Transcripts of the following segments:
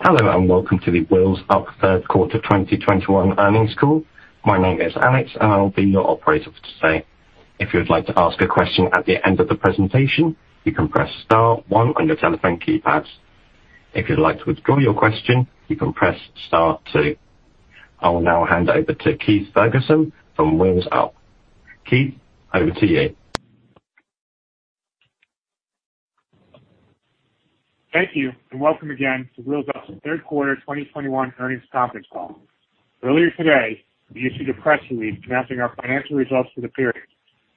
Hello, and welcome to the Wheels Up Q3 2021 earnings call. My name is Alex, and I'll be your operator for today. If you would like to ask a question at the end of the presentation, you can press star one on your telephone keypads. If you'd like to withdraw your question, you can press star two. I will now hand over to Keith Ferguson from Wheels Up. Keith, over to you. Thank you, and welcome again to Wheels Up Q3 2021 earnings conference call. Earlier today, we issued a press release announcing our financial results for the period.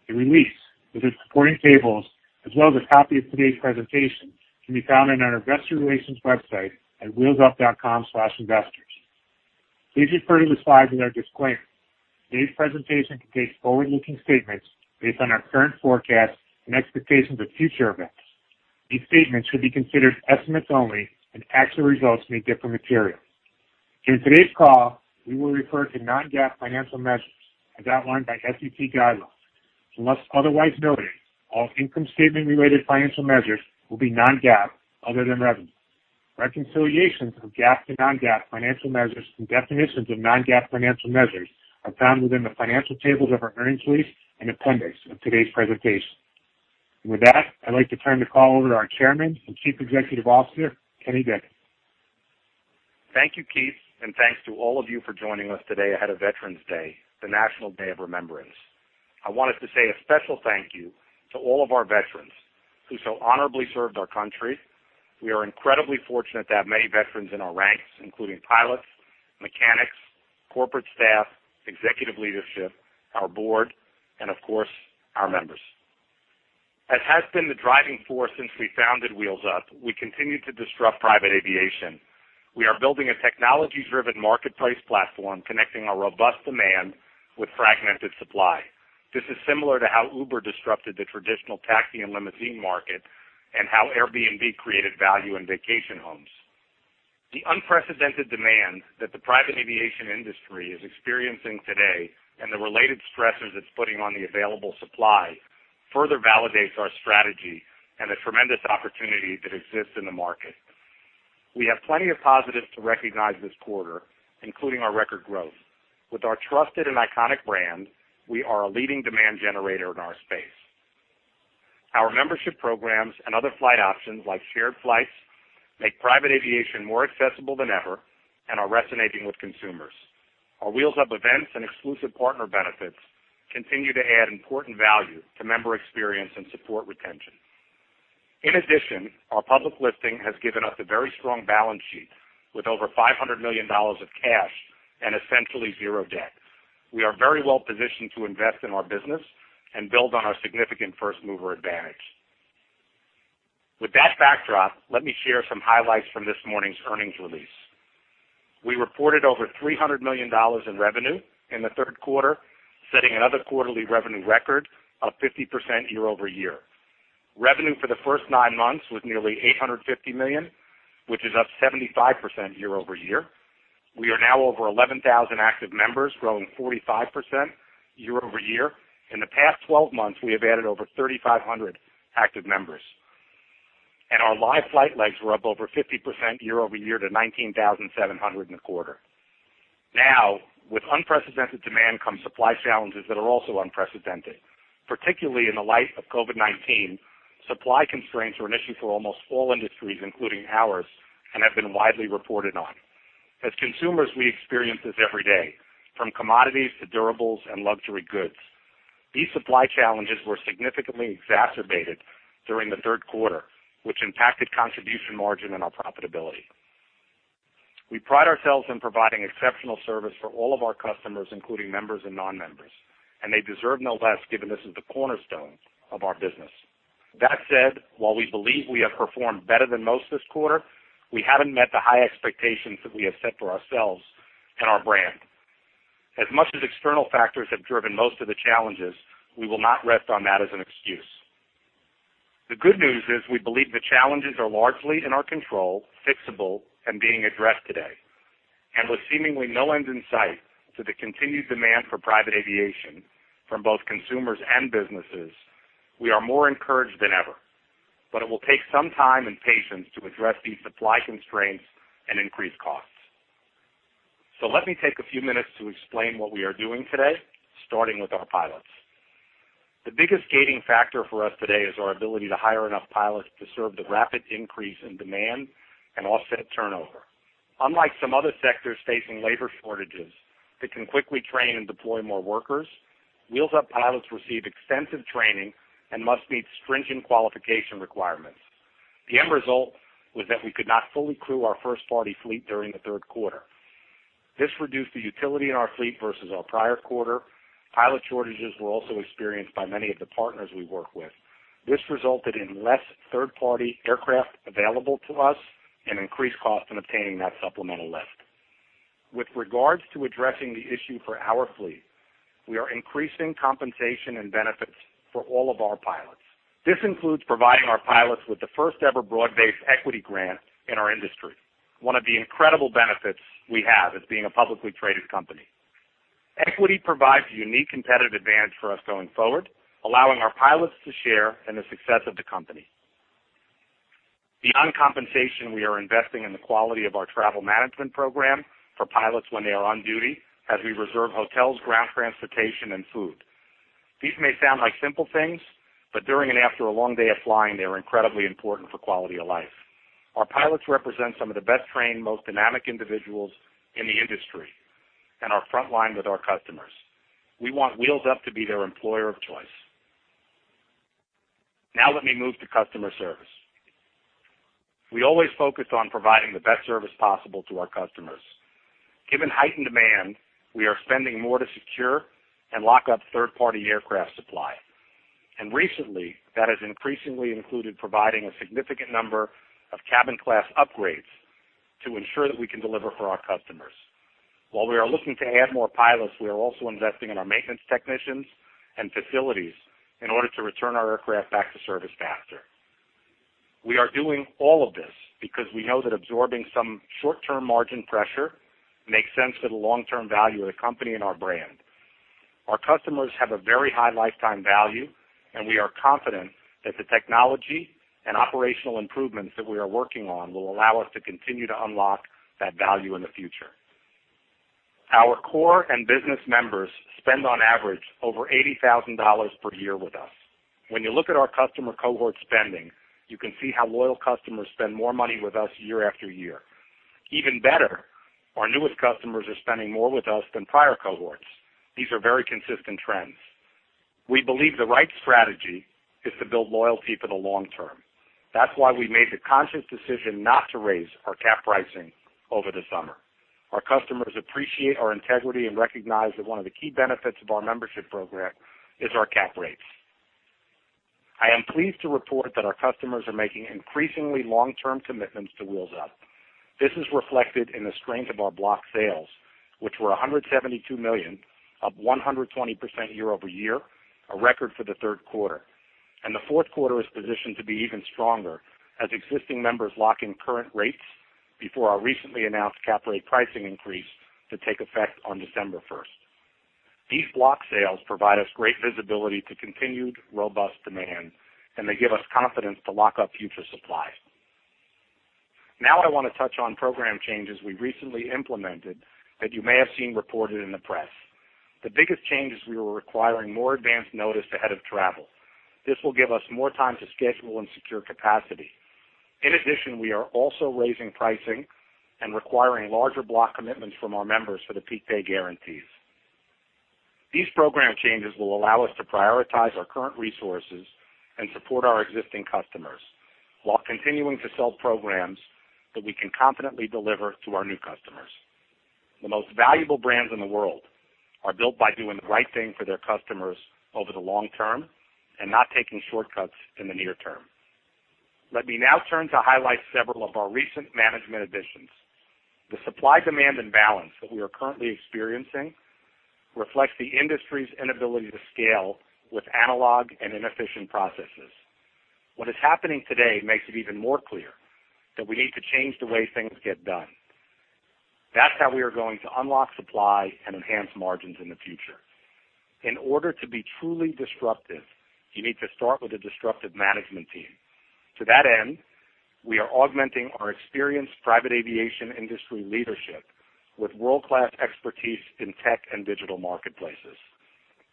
The release, with its supporting tables, as well as a copy of today's presentation, can be found on our investor relations website at wheelsup.com/investors. Please refer to the slide with our disclaimer. Today's presentation may contain forward-looking statements based on our current forecasts and expectations of future events. These statements should be considered estimates only, and actual results may differ materially. During today's call, we will refer to non-GAAP financial measures as outlined by SEC guidelines. Unless otherwise noted, all income statement-related financial measures will be non-GAAP other than revenue. Reconciliations from GAAP to non-GAAP financial measures and definitions of non-GAAP financial measures are found within the financial tables of our earnings release and appendix of today's presentation. With that, I'd like to turn the call over to our Chairman and Chief Executive Officer, Kenny Dichter. Thank you, Keith, and thanks to all of you for joining us today ahead of Veterans Day, the National Day of Remembrance. I wanted to say a special thank you to all of our veterans who so honorably served our country. We are incredibly fortunate to have many veterans in our ranks, including pilots, mechanics, corporate staff, executive leadership, our board, and of course, our members. As has been the driving force since we founded Wheels Up, we continue to disrupt private aviation. We are building a technology-driven marketplace platform connecting a robust demand with fragmented supply. This is similar to how Uber disrupted the traditional taxi and limousine market and how Airbnb created value in vacation homes. The unprecedented demand that the private aviation industry is experiencing today and the related stressors it's putting on the available supply further validates our strategy and the tremendous opportunity that exists in the market. We have plenty of positives to recognize this quarter, including our record growth. With our trusted and iconic brand, we are a leading demand generator in our space. Our membership programs and other flight options, like shared flights, make private aviation more accessible than ever and are resonating with consumers. Our Wheels Up events and exclusive partner benefits continue to add important value to member experience and support retention. In addition, our public listing has given us a very strong balance sheet with over $500 million of cash and essentially zero debt. We are very well positioned to invest in our business and build on our significant first-mover advantage. With that backdrop, let me share some highlights from this morning's earnings release. We reported over $300 million in revenue in the Q3, setting another quarterly revenue record of 50% year-over-year. Revenue for the first nine months was nearly $850 million, which is up 75% year-over-year. We are now over 11,000 active members, growing 45% year-over-year. In the past 12 months, we have added over 3,500 active members. Our live flight legs were up over 50% year-over-year to 19,700 in the quarter. Now, with unprecedented demand comes supply challenges that are also unprecedented. Particularly in light of COVID-19, supply constraints are an issue for almost all industries, including ours, and have been widely reported on. As consumers, we experience this every day, from commodities to durables and luxury goods. These supply challenges were significantly exacerbated during the Q3, which impacted contribution margin and our profitability. We pride ourselves in providing exceptional service for all of our customers, including members and non-members, and they deserve no less given this is the cornerstone of our business. That said, while we believe we have performed better than most this quarter, we haven't met the high expectations that we have set for ourselves and our brand. As much as external factors have driven most of the challenges, we will not rest on that as an excuse. The good news is we believe the challenges are largely in our control, fixable, and being addressed today. With seemingly no end in sight to the continued demand for private aviation from both consumers and businesses, we are more encouraged than ever. It will take some time and patience to address these supply constraints and increased costs. Let me take a few minutes to explain what we are doing today, starting with our pilots. The biggest gating factor for us today is our ability to hire enough pilots to serve the rapid increase in demand and offset turnover. Unlike some other sectors facing labor shortages that can quickly train and deploy more workers, Wheels Up pilots receive extensive training and must meet stringent qualification requirements. The end result was that we could not fully crew our first-party fleet during the Q3. This reduced the utility in our fleet versus our prior quarter. Pilot shortages were also experienced by many of the partners we work with. This resulted in less third-party aircraft available to us and increased cost in obtaining that supplemental lift. With regards to addressing the issue for our fleet, we are increasing compensation and benefits for all of our pilots. This includes providing our pilots with the first-ever broad-based equity grant in our industry, one of the incredible benefits we have as being a publicly traded company. Equity provides a unique competitive advantage for us going forward, allowing our pilots to share in the success of the company. Beyond compensation, we are investing in the quality of our travel management program for pilots when they are on duty, as we reserve hotels, ground transportation, and food. These may sound like simple things, but during and after a long day of flying, they are incredibly important for quality of life. Our pilots represent some of the best-trained, most dynamic individuals in the industry and our front line with our customers. We want Wheels Up to be their employer of choice. Now let me move to customer service. We always focus on providing the best service possible to our customers. Given heightened demand, we are spending more to secure and lock up third-party aircraft supply. Recently, that has increasingly included providing a significant number of cabin class upgrades to ensure that we can deliver for our customers. While we are looking to add more pilots, we are also investing in our maintenance technicians and facilities in order to return our aircraft back to service faster. We are doing all of this because we know that absorbing some short-term margin pressure makes sense for the long-term value of the company and our brand. Our customers have a very high lifetime value, and we are confident that the technology and operational improvements that we are working on will allow us to continue to unlock that value in the future. Our Core and business members spend on average over $80,000 per year with us. When you look at our customer cohort spending, you can see how loyal customers spend more money with us year after year. Even better, our newest customers are spending more with us than prior cohorts. These are very consistent trends. We believe the right strategy is to build loyalty for the long term. That's why we made the conscious decision not to raise our cap pricing over the summer. Our customers appreciate our integrity and recognize that one of the key benefits of our membership program is our cap rates. I am pleased to report that our customers are making increasingly long-term commitments to Wheels Up. This is reflected in the strength of our block sales, which were $172 million, up 120% year-over-year, a record for the Q3. The Q4 is positioned to be even stronger as existing members lock in current rates before our recently announced Core rate pricing increase to take effect on December 1. These block sales provide us great visibility to continued robust demand, and they give us confidence to lock up future supply. Now, I wanna touch on program changes we recently implemented that you may have seen reported in the press. The biggest change is we were requiring more advanced notice ahead of travel. This will give us more time to schedule and secure capacity. In addition, we are also raising pricing and requiring larger block commitments from our members for the peak day guarantees. These program changes will allow us to prioritize our current resources and support our existing customers while continuing to sell programs that we can confidently deliver to our new customers. The most valuable brands in the world are built by doing the right thing for their customers over the long term and not taking shortcuts in the near term. Let me now turn to highlight several of our recent management additions. The supply-demand imbalance that we are currently experiencing reflects the industry's inability to scale with analog and inefficient processes. What is happening today makes it even more clear that we need to change the way things get done. That's how we are going to unlock supply and enhance margins in the future. In order to be truly disruptive, you need to start with a disruptive management team. To that end, we are augmenting our experienced private aviation industry leadership with world-class expertise in tech and digital marketplaces.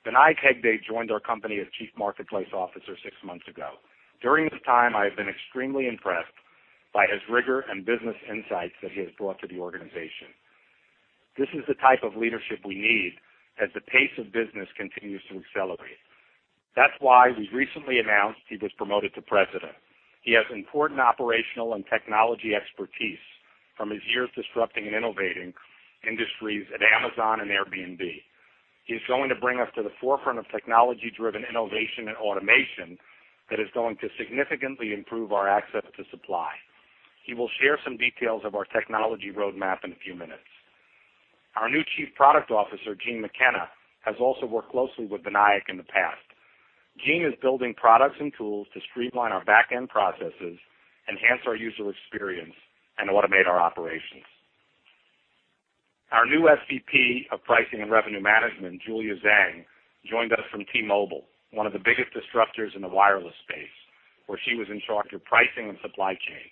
Vinayak Hegde joined our company as Chief Marketplace Officer six months ago. During this time, I have been extremely impressed by his rigor and business insights that he has brought to the organization. This is the type of leadership we need as the pace of business continues to accelerate. That's why we recently announced he was promoted to President. He has important operational and technology expertise from his years disrupting and innovating industries at Amazon and Airbnb. He's going to bring us to the forefront of technology-driven innovation and automation that is going to significantly improve our access to supply. He will share some details of our technology roadmap in a few minutes. Our new Chief Product Officer, Gene McKenna, has also worked closely with Vinayak in the past. Gene is building products and tools to streamline our back-end processes, enhance our user experience, and automate our operations. Our new Senior Vice President of Pricing and Revenue Management, Julia Zhang, joined us from T-Mobile, one of the biggest disruptors in the wireless space, where she was in charge of pricing and supply chain.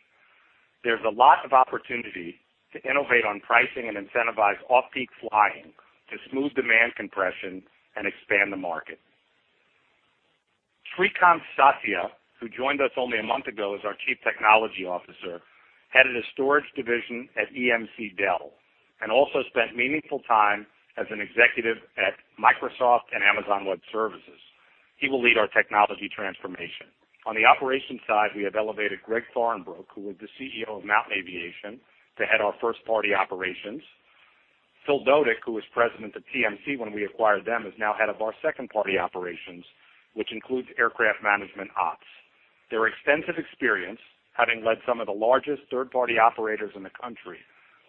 There's a lot of opportunity to innovate on pricing and incentivize off-peak flying to smooth demand compression and expand the market. Srikanth Satya, who joined us only a month ago as our Chief Technology Officer, headed a storage division at Dell EMC and also spent meaningful time as an executive at Microsoft and Amazon Web Services. He will lead our technology transformation. On the operations side, we have elevated Gregg Fahrenbruch, who was the Chief Executive Officer of Mountain Aviation, to head our first-party operations. Phil Dodyk, who was president of TMC when we acquired them, is now head of our second-party operations, which includes aircraft management ops. Their extensive experience, having led some of the largest third-party operators in the country,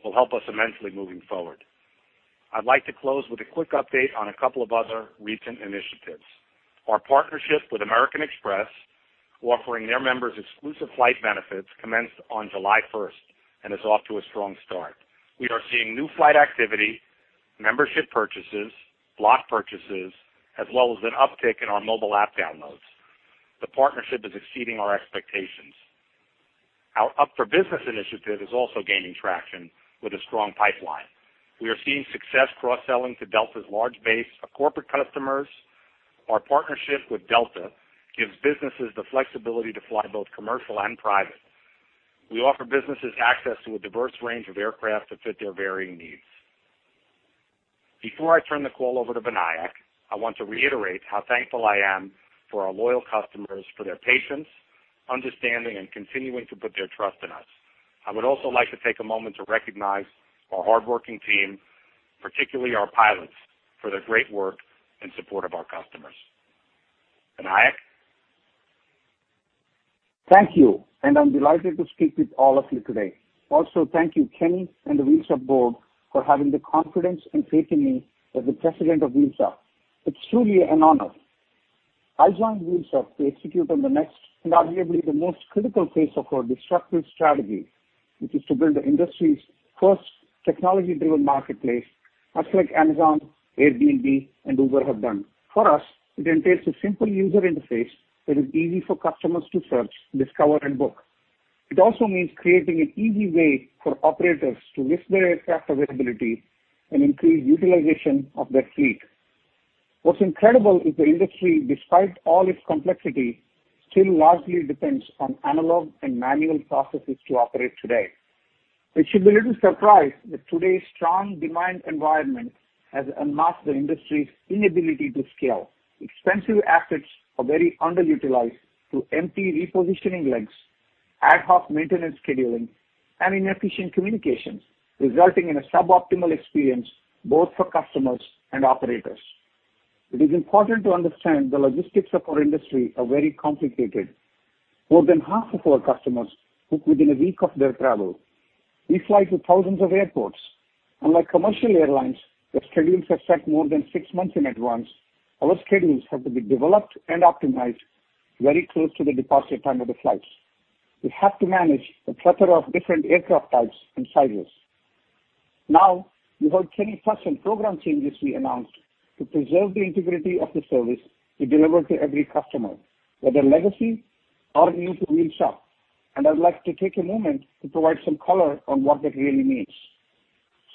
will help us immensely moving forward. I'd like to close with a quick update on a couple of other recent initiatives. Our partnership with American Express offering their members exclusive flight benefits commenced on July 1st and is off to a strong start. We are seeing new flight activity, membership purchases, block purchases, as well as an uptick in our mobile app downloads. The partnership is exceeding our expectations. Our UP for Business initiative is also gaining traction with a strong pipeline. We are seeing success cross-selling to Delta's large base of corporate customers. Our partnership with Delta gives businesses the flexibility to fly both commercial and private. We offer businesses access to a diverse range of aircraft that fit their varying needs. Before I turn the call over to Vinayak, I want to reiterate how thankful I am for our loyal customers, for their patience, understanding, and continuing to put their trust in us. I would also like to take a moment to recognize our hardworking team, particularly our pilots, for their great work in support of our customers. Vinayak? Thank you, and I'm delighted to speak with all of you today. Also, thank you, Kenny and the Wheels Up board for having the confidence and faith in me as the president of Wheels Up. It's truly an honor. I joined Wheels Up to execute on the next, and arguably the most critical phase of our disruptive strategy, which is to build the industry's first technology-driven marketplace, much like Amazon, Airbnb, and Uber have done. For us, it entails a simple user interface that is easy for customers to search, discover, and book. It also means creating an easy way for operators to list their aircraft availability and increase utilization of their fleet. What's incredible is the industry, despite all its complexity, still largely depends on analog and manual processes to operate today. It should be little surprise that today's strong demand environment has unmasked the industry's inability to scale. Expensive assets are very underutilized through empty repositioning legs, ad hoc maintenance scheduling, and inefficient communications, resulting in a suboptimal experience both for customers and operators. It is important to understand the logistics of our industry are very complicated. More than half of our customers book within a week of their travel. We fly to thousands of airports. Unlike commercial airlines, where schedules are set more than six months in advance, our schedules have to be developed and optimized very close to the departure time of the flights. We have to manage a plethora of different aircraft types and sizes. Now, you heard Kenny touch on program changes we announced to preserve the integrity of the service we deliver to every customer, whether legacy or new to Wheels Up. I'd like to take a moment to provide some color on what that really means.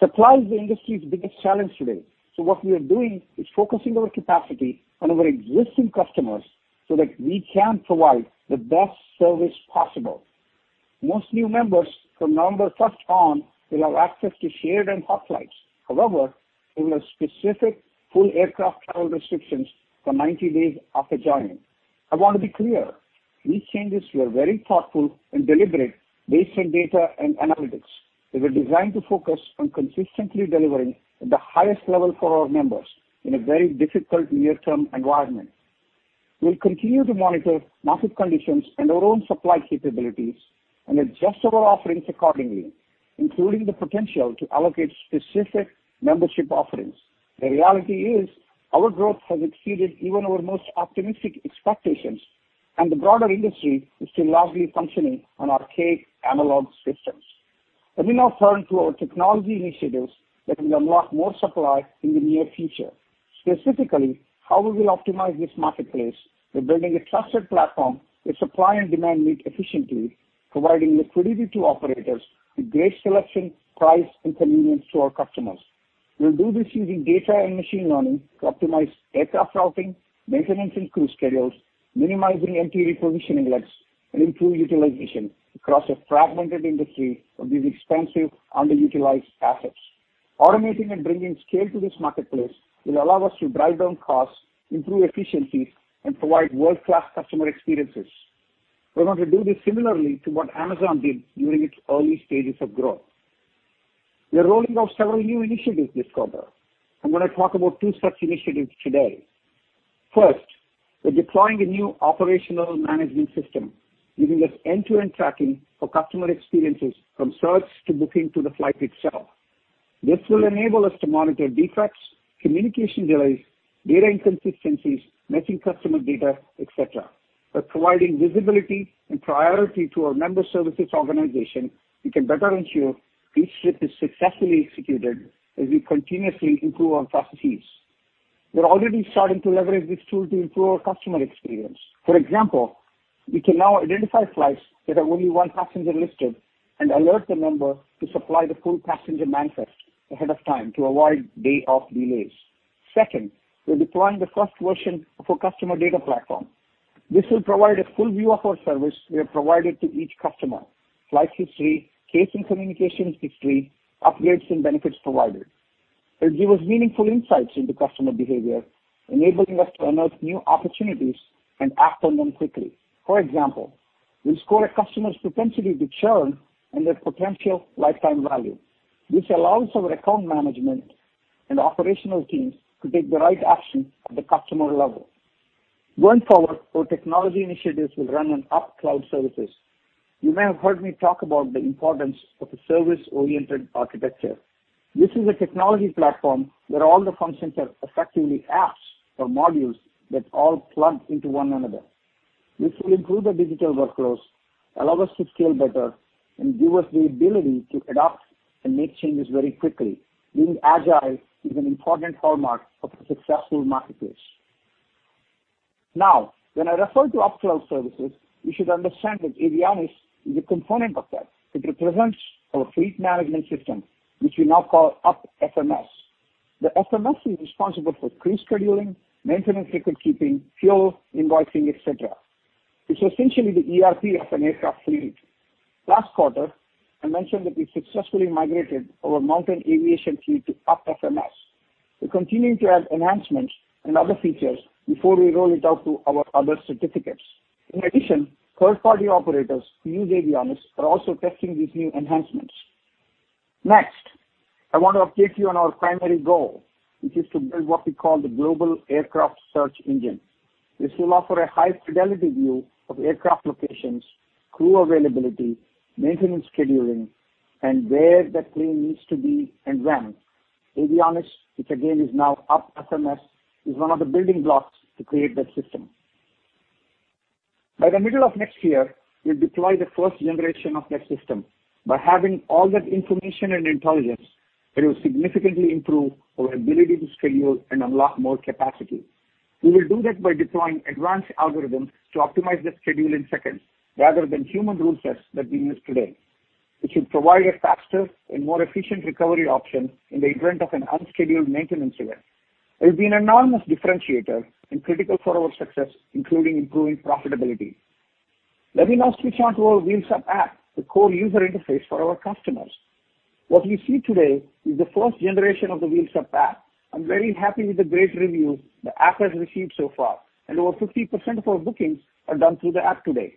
Supply is the industry's biggest challenge today. What we are doing is focusing our capacity on our existing customers so that we can provide the best service possible. Most new members from November 1 on will have access to shared and hot flights. However, there will be specific full aircraft travel restrictions for 90 days after joining. I want to be clear, these changes were very thoughtful and deliberate based on data and analytics. They were designed to focus on consistently delivering at the highest level for our members in a very difficult near-term environment. We'll continue to monitor market conditions and our own supply capabilities and adjust our offerings accordingly, including the potential to allocate specific membership offerings. The reality is our growth has exceeded even our most optimistic expectations, and the broader industry is still largely functioning on archaic analog systems. Let me now turn to our technology initiatives that can unlock more supply in the near future. Specifically, how we will optimize this marketplace by building a trusted platform where supply and demand meet efficiently, providing liquidity to operators with great selection, price, and convenience to our customers. We'll do this using data and machine learning to optimize aircraft routing, maintenance and crew schedules, minimizing empty repositioning legs, and improve utilization across a fragmented industry of these expensive, underutilized assets. Automating and bringing scale to this marketplace will allow us to drive down costs, improve efficiencies, and provide world-class customer experiences. We're going to do this similarly to what Amazon did during its early stages of growth. We are rolling out several new initiatives this quarter. I'm gonna talk about two such initiatives today. First, we're deploying a new operational management system giving us end-to-end tracking for customer experiences from search to booking to the flight itself. This will enable us to monitor defects, communication delays, data inconsistencies, matching customer data, et cetera. By providing visibility and priority to our member services organization, we can better ensure each trip is successfully executed as we continuously improve our processes. We're already starting to leverage this tool to improve our customer experience. For example, we can now identify flights that have only one passenger listed and alert the member to supply the full passenger manifest ahead of time to avoid day-of delays. Second, we're deploying the first version of our customer data platform. This will provide a full view of our service we have provided to each customer, flight history, case and communications history, upgrades and benefits provided. It'll give us meaningful insights into customer behavior, enabling us to unearth new opportunities and act on them quickly. For example, we score a customer's propensity to churn and their potential lifetime value, which allows our account management and operational teams to take the right action at the customer level. Going forward, our technology initiatives will run on up cloud services. You may have heard me talk about the importance of a service-oriented architecture. This is a technology platform where all the functions are effectively apps or modules that all plug into one another. This will improve the digital workflows, allow us to scale better, and give us the ability to adopt and make changes very quickly. Being agile is an important hallmark of a successful marketplace. Now, when I refer to optional services, you should understand that Avianis is a component of that. It represents our fleet management system, which we now call UP FMS. The FMS is responsible for pre-scheduling, maintenance record keeping, fuel invoicing, et cetera. It's essentially the ERP of an aircraft fleet. Last quarter, I mentioned that we successfully migrated our Mountain Aviation fleet to UP FMS. We continue to add enhancements and other features before we roll it out to our other certificates. In addition, third-party operators who use Avianis are also testing these new enhancements. Next, I want to update you on our primary goal, which is to build what we call the Global Aircraft Search Engine. This will offer a high fidelity view of aircraft locations, crew availability, maintenance scheduling, and where that plane needs to be and when. Avianis, which again is now UP FMS, is one of the building blocks to create that system. By the middle of next year, we'll deploy the first generation of that system. By having all that information and intelligence, it will significantly improve our ability to schedule and unlock more capacity. We will do that by deploying advanced algorithms to optimize the schedule in seconds rather than human rule sets that we use today, which will provide a faster and more efficient recovery option in the event of an unscheduled maintenance event. It will be an enormous differentiator and critical for our success, including improving profitability. Let me now switch on to our Wheels Up app, the core user interface for our customers. What we see today is the first generation of the Wheels Up app. I'm very happy with the great reviews the app has received so far, and over 50% of our bookings are done through the app today.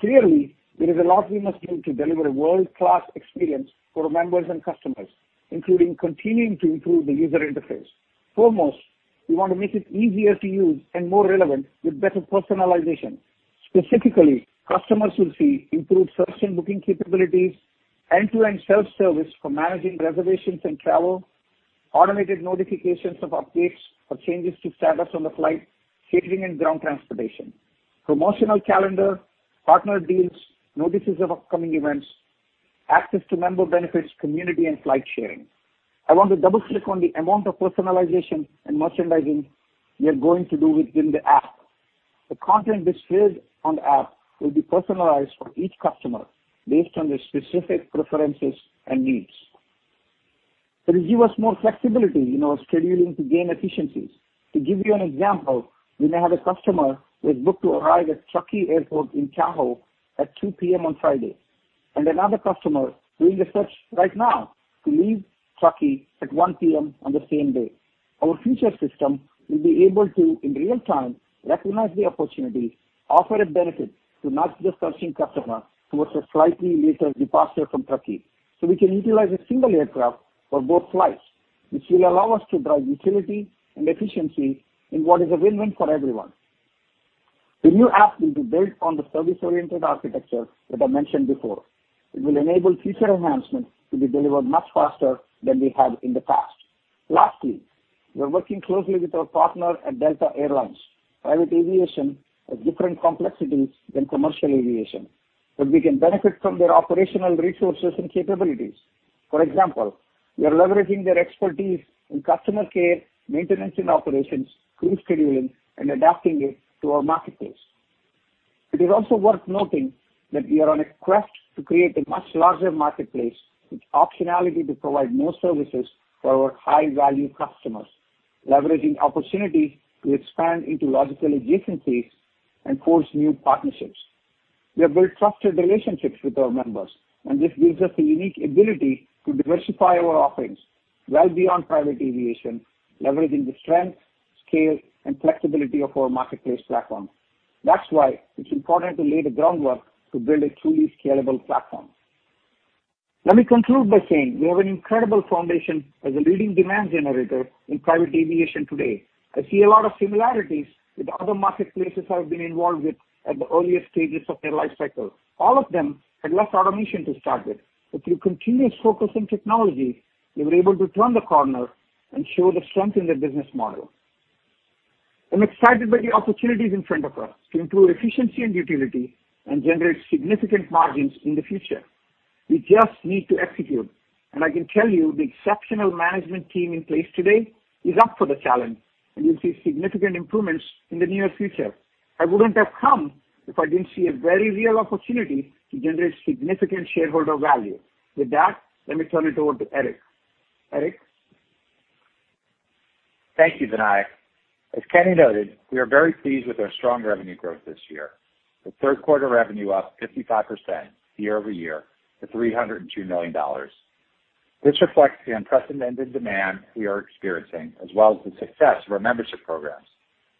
Clearly, there is a lot we must do to deliver a world-class experience for our members and customers, including continuing to improve the user interface. Foremost, we want to make it easier to use and more relevant with better personalization. Specifically, customers will see improved search and booking capabilities, end-to-end self-service for managing reservations and travel, automated notifications of updates or changes to status on the flight, catering and ground transportation, promotional calendar, partner deals, notices of upcoming events, access to member benefits, community, and flight sharing. I want to double click on the amount of personalization and merchandising we are going to do within the app. The content displayed on the app will be personalized for each customer based on their specific preferences and needs. It will give us more flexibility in our scheduling to gain efficiencies. To give you an example, we may have a customer who has booked to arrive at Truckee Airport in Tahoe at 2:00 P.M. on Friday, and another customer doing a search right now to leave Truckee at 1:00 P.M. on the same day. Our future system will be able to, in real time, recognize the opportunity, offer a benefit to the other customer towards a slightly later departure from Truckee, so we can utilize a single aircraft for both flights, which will allow us to drive utilization and efficiency in what is a win-win for everyone. The new app needs to build on the service-oriented architecture that I mentioned before. It will enable future enhancements to be delivered much faster than we have in the past. Lastly, we are working closely with our partner at Delta Air Lines. Private aviation has different complexities than commercial aviation, but we can benefit from their operational resources and capabilities. For example, we are leveraging their expertise in customer care, maintenance and operations, crew scheduling, and adapting it to our marketplace. It is also worth noting that we are on a quest to create a much larger marketplace with optionality to provide more services for our high-value customers, leveraging opportunities to expand into logical adjacencies and forge new partnerships. We have built trusted relationships with our members, and this gives us a unique ability to diversify our offerings well beyond private aviation, leveraging the strength, scale, and flexibility of our marketplace platform. That's why it's important to lay the groundwork to build a truly scalable platform. Let me conclude by saying we have an incredible foundation as a leading demand generator in private aviation today. I see a lot of similarities with other marketplaces I've been involved with at the earliest stages of their life cycle. All of them had less automation to start with, but through continuous focus on technology, they were able to turn the corner and show the strength in their business model. I'm excited by the opportunities in front of us to improve efficiency and utility and generate significant margins in the future. We just need to execute, and I can tell you the exceptional management team in place today is up for the challenge, and you'll see significant improvements in the near future. I wouldn't have come if I didn't see a very real opportunity to generate significant shareholder value. With that, let me turn it over to Eric. Eric? Thank you, Vinay. As Kenny noted, we are very pleased with our strong revenue growth this year, with Q3 revenue up 55% year-over-year to $302 million. This reflects the unprecedented demand we are experiencing, as well as the success of our membership programs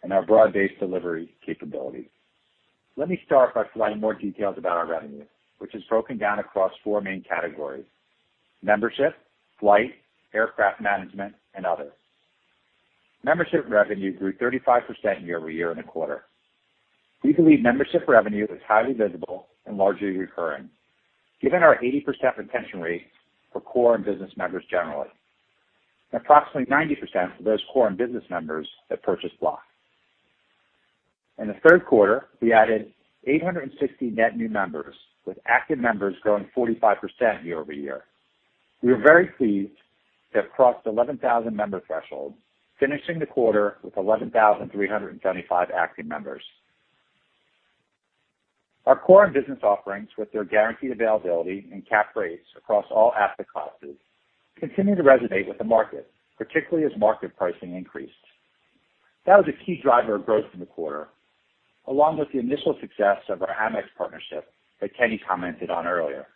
and our broad-based delivery capabilities. Let me start by providing more details about our revenue, which is broken down across four main categories: membership, flight, aircraft management, and other. Membership revenue grew 35% year-over-year in the quarter. We believe membership revenue is highly visible and largely recurring, given our 80% retention rate for Core and Business members generally, and approximately 90% for those Core and Business members that purchase block. In the Q3, we added 860 net new members, with active members growing 45% year-over-year. We are very pleased to have crossed 11,000 member threshold, finishing the quarter with 11,375 active members. Our Core and business offerings with their guaranteed availability and cap rates across all asset classes continue to resonate with the market, particularly as market pricing increased. That was a key driver of growth in the quarter, along with the initial success of our Amex partnership that Kenny commented on earlier.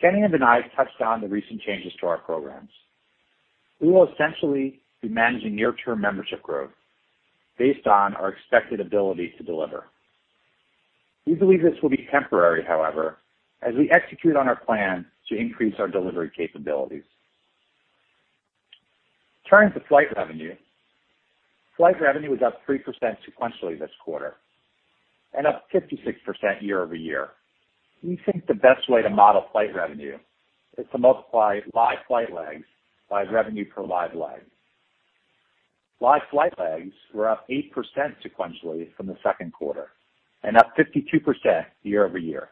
Kenny and Vinay touched on the recent changes to our programs. We will essentially be managing near-term membership growth based on our expected ability to deliver. We believe this will be temporary, however, as we execute on our plan to increase our delivery capabilities. Turning to flight revenue. Flight revenue was up 3% sequentially this quarter and up 56% year-over-year. We think the best way to model flight revenue is to multiply live flight legs by revenue per live leg. Live flight legs were up 8% sequentially from the Q2 and up 52% year-over-year.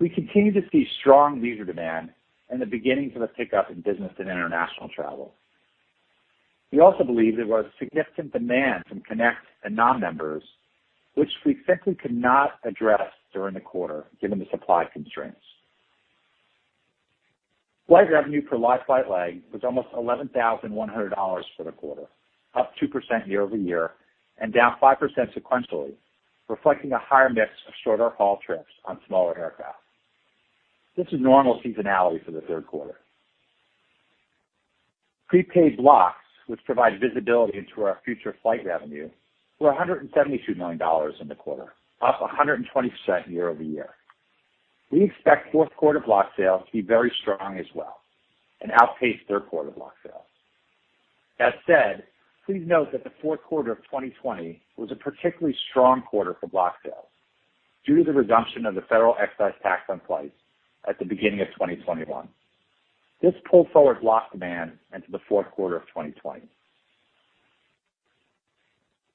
We continue to see strong leisure demand and the beginnings of a pickup in business and international travel. We also believe there was significant demand from Connect and non-members which we simply could not address during the quarter given the supply constraints. Flight revenue per live flight leg was almost $11,100 for the quarter, up 2% year-over-year and down 5% sequentially, reflecting a higher mix of shorter-haul trips on smaller aircraft. This is normal seasonality for the Q3. Prepaid blocks, which provide visibility into our future flight revenue, were $172 million in the quarter, up 120% year-over-year. We expect Q4 block sales to be very strong as well and outpace Q3 block sales. That said, please note that the Q4 of 2020 was a particularly strong quarter for block sales due to the reduction of the federal excise tax on flights at the beginning of 2021. This pulled forward block demand into the Q4 of 2020.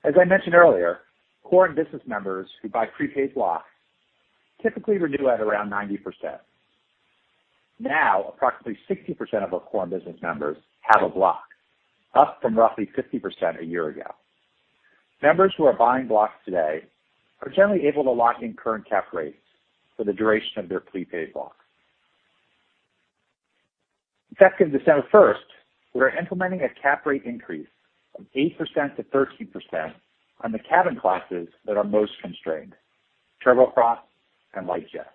As I mentioned earlier, Core and business members who buy prepaid blocks typically renew at around 90%. Now, approximately 60% of our Core and business members have a block, up from roughly 50% a year ago. Members who are buying blocks today are generally able to lock in current cap rates for the duration of their prepaid block. Effective December 1st, we are implementing a cap rate increase from 8% to 13% on the cabin classes that are most constrained, turboprop and light jet.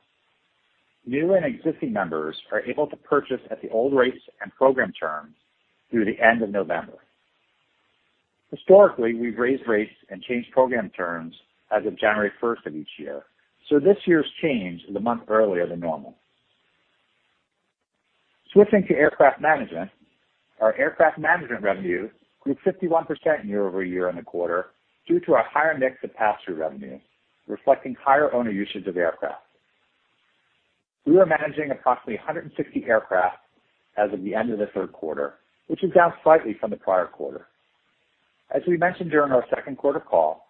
New and existing members are able to purchase at the old rates and program terms through the end of November. Historically, we've raised rates and changed program terms as of January 1st of each year, so this year's change is a month earlier than normal. Switching to aircraft management. Our aircraft management revenue grew 51% year-over-year in the quarter due to a higher mix of pass-through revenue reflecting higher owner usage of aircraft. We were managing approximately 160 aircraft as of the end of the Q3, which is down slightly from the prior quarter. As we mentioned during our Q2 call,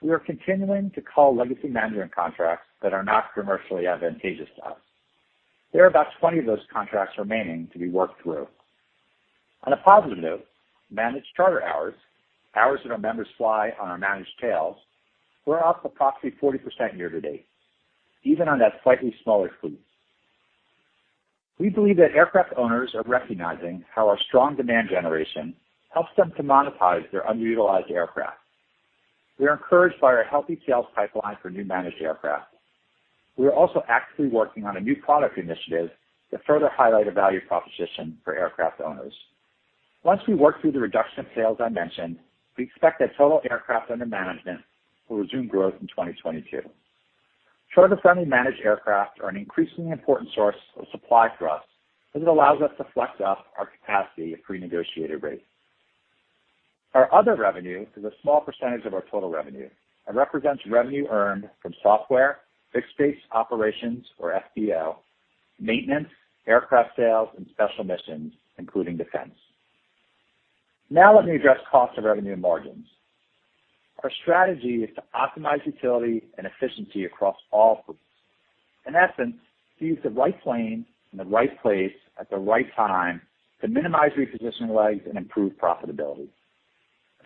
we are continuing to cull legacy management contracts that are not commercially advantageous to us. There are about 20 of those contracts remaining to be worked through. On a positive note, managed charter hours that our members fly on our managed tails, were up approximately 40% year to date even on that slightly smaller fleet. We believe that aircraft owners are recognizing how our strong demand generation helps them to monetize their underutilized aircraft. We are encouraged by our healthy sales pipeline for new managed aircraft. We are also actively working on a new product initiative to further highlight a value proposition for aircraft owners. Once we work through the reduction of sales I mentioned, we expect that total aircraft under management will resume growth in 2022. Charter-friendly managed aircraft are an increasingly important source of supply for us as it allows us to flex up our capacity at prenegotiated rates. Our other revenue is a small percentage of our total revenue and represents revenue earned from software, fixed base operations or FBO, maintenance, aircraft sales, and special missions, including defense. Now let me address cost of revenue and margins. Our strategy is to optimize utility and efficiency across all fleets. In essence, to use the right plane in the right place at the right time to minimize repositioning legs and improve profitability.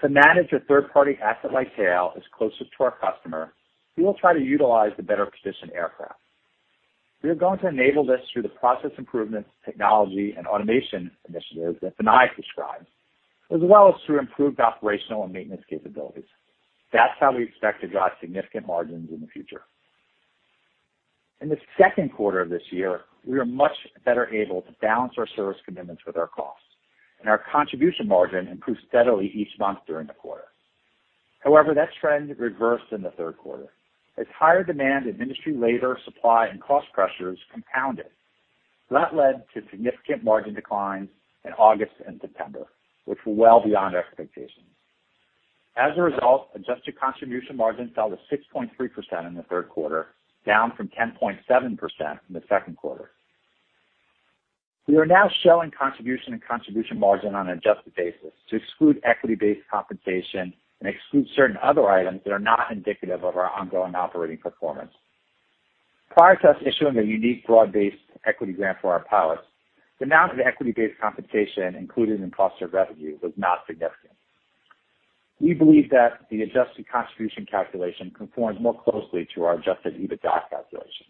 To manage a third-party asset like tail is closer to our customer who will try to utilize the better-positioned aircraft. We are going to enable this through the process improvements, technology and automation initiatives that Vinayak Hegde described, as well as through improved operational and maintenance capabilities. That's how we expect to drive significant margins in the future. In the Q2 of this year, we are much better able to balance our service commitments with our costs, and our contribution margin improved steadily each month during the quarter. However, that trend reversed in the Q3 as higher demand and industry labor supply and cost pressures compounded. That led to significant margin declines in August and September, which were well beyond expectations. As a result, adjusted contribution margin fell to 6.3% in the Q3, down from 10.7% in the Q2. We are now showing contribution and contribution margin on an adjusted basis to exclude equity-based compensation and exclude certain other items that are not indicative of our ongoing operating performance. Prior to us issuing a unique broad-based equity grant for our pilots, the amount of equity-based compensation included in cost of revenue was not significant. We believe that the adjusted contribution calculation conforms more closely to our adjusted EBITDA calculation.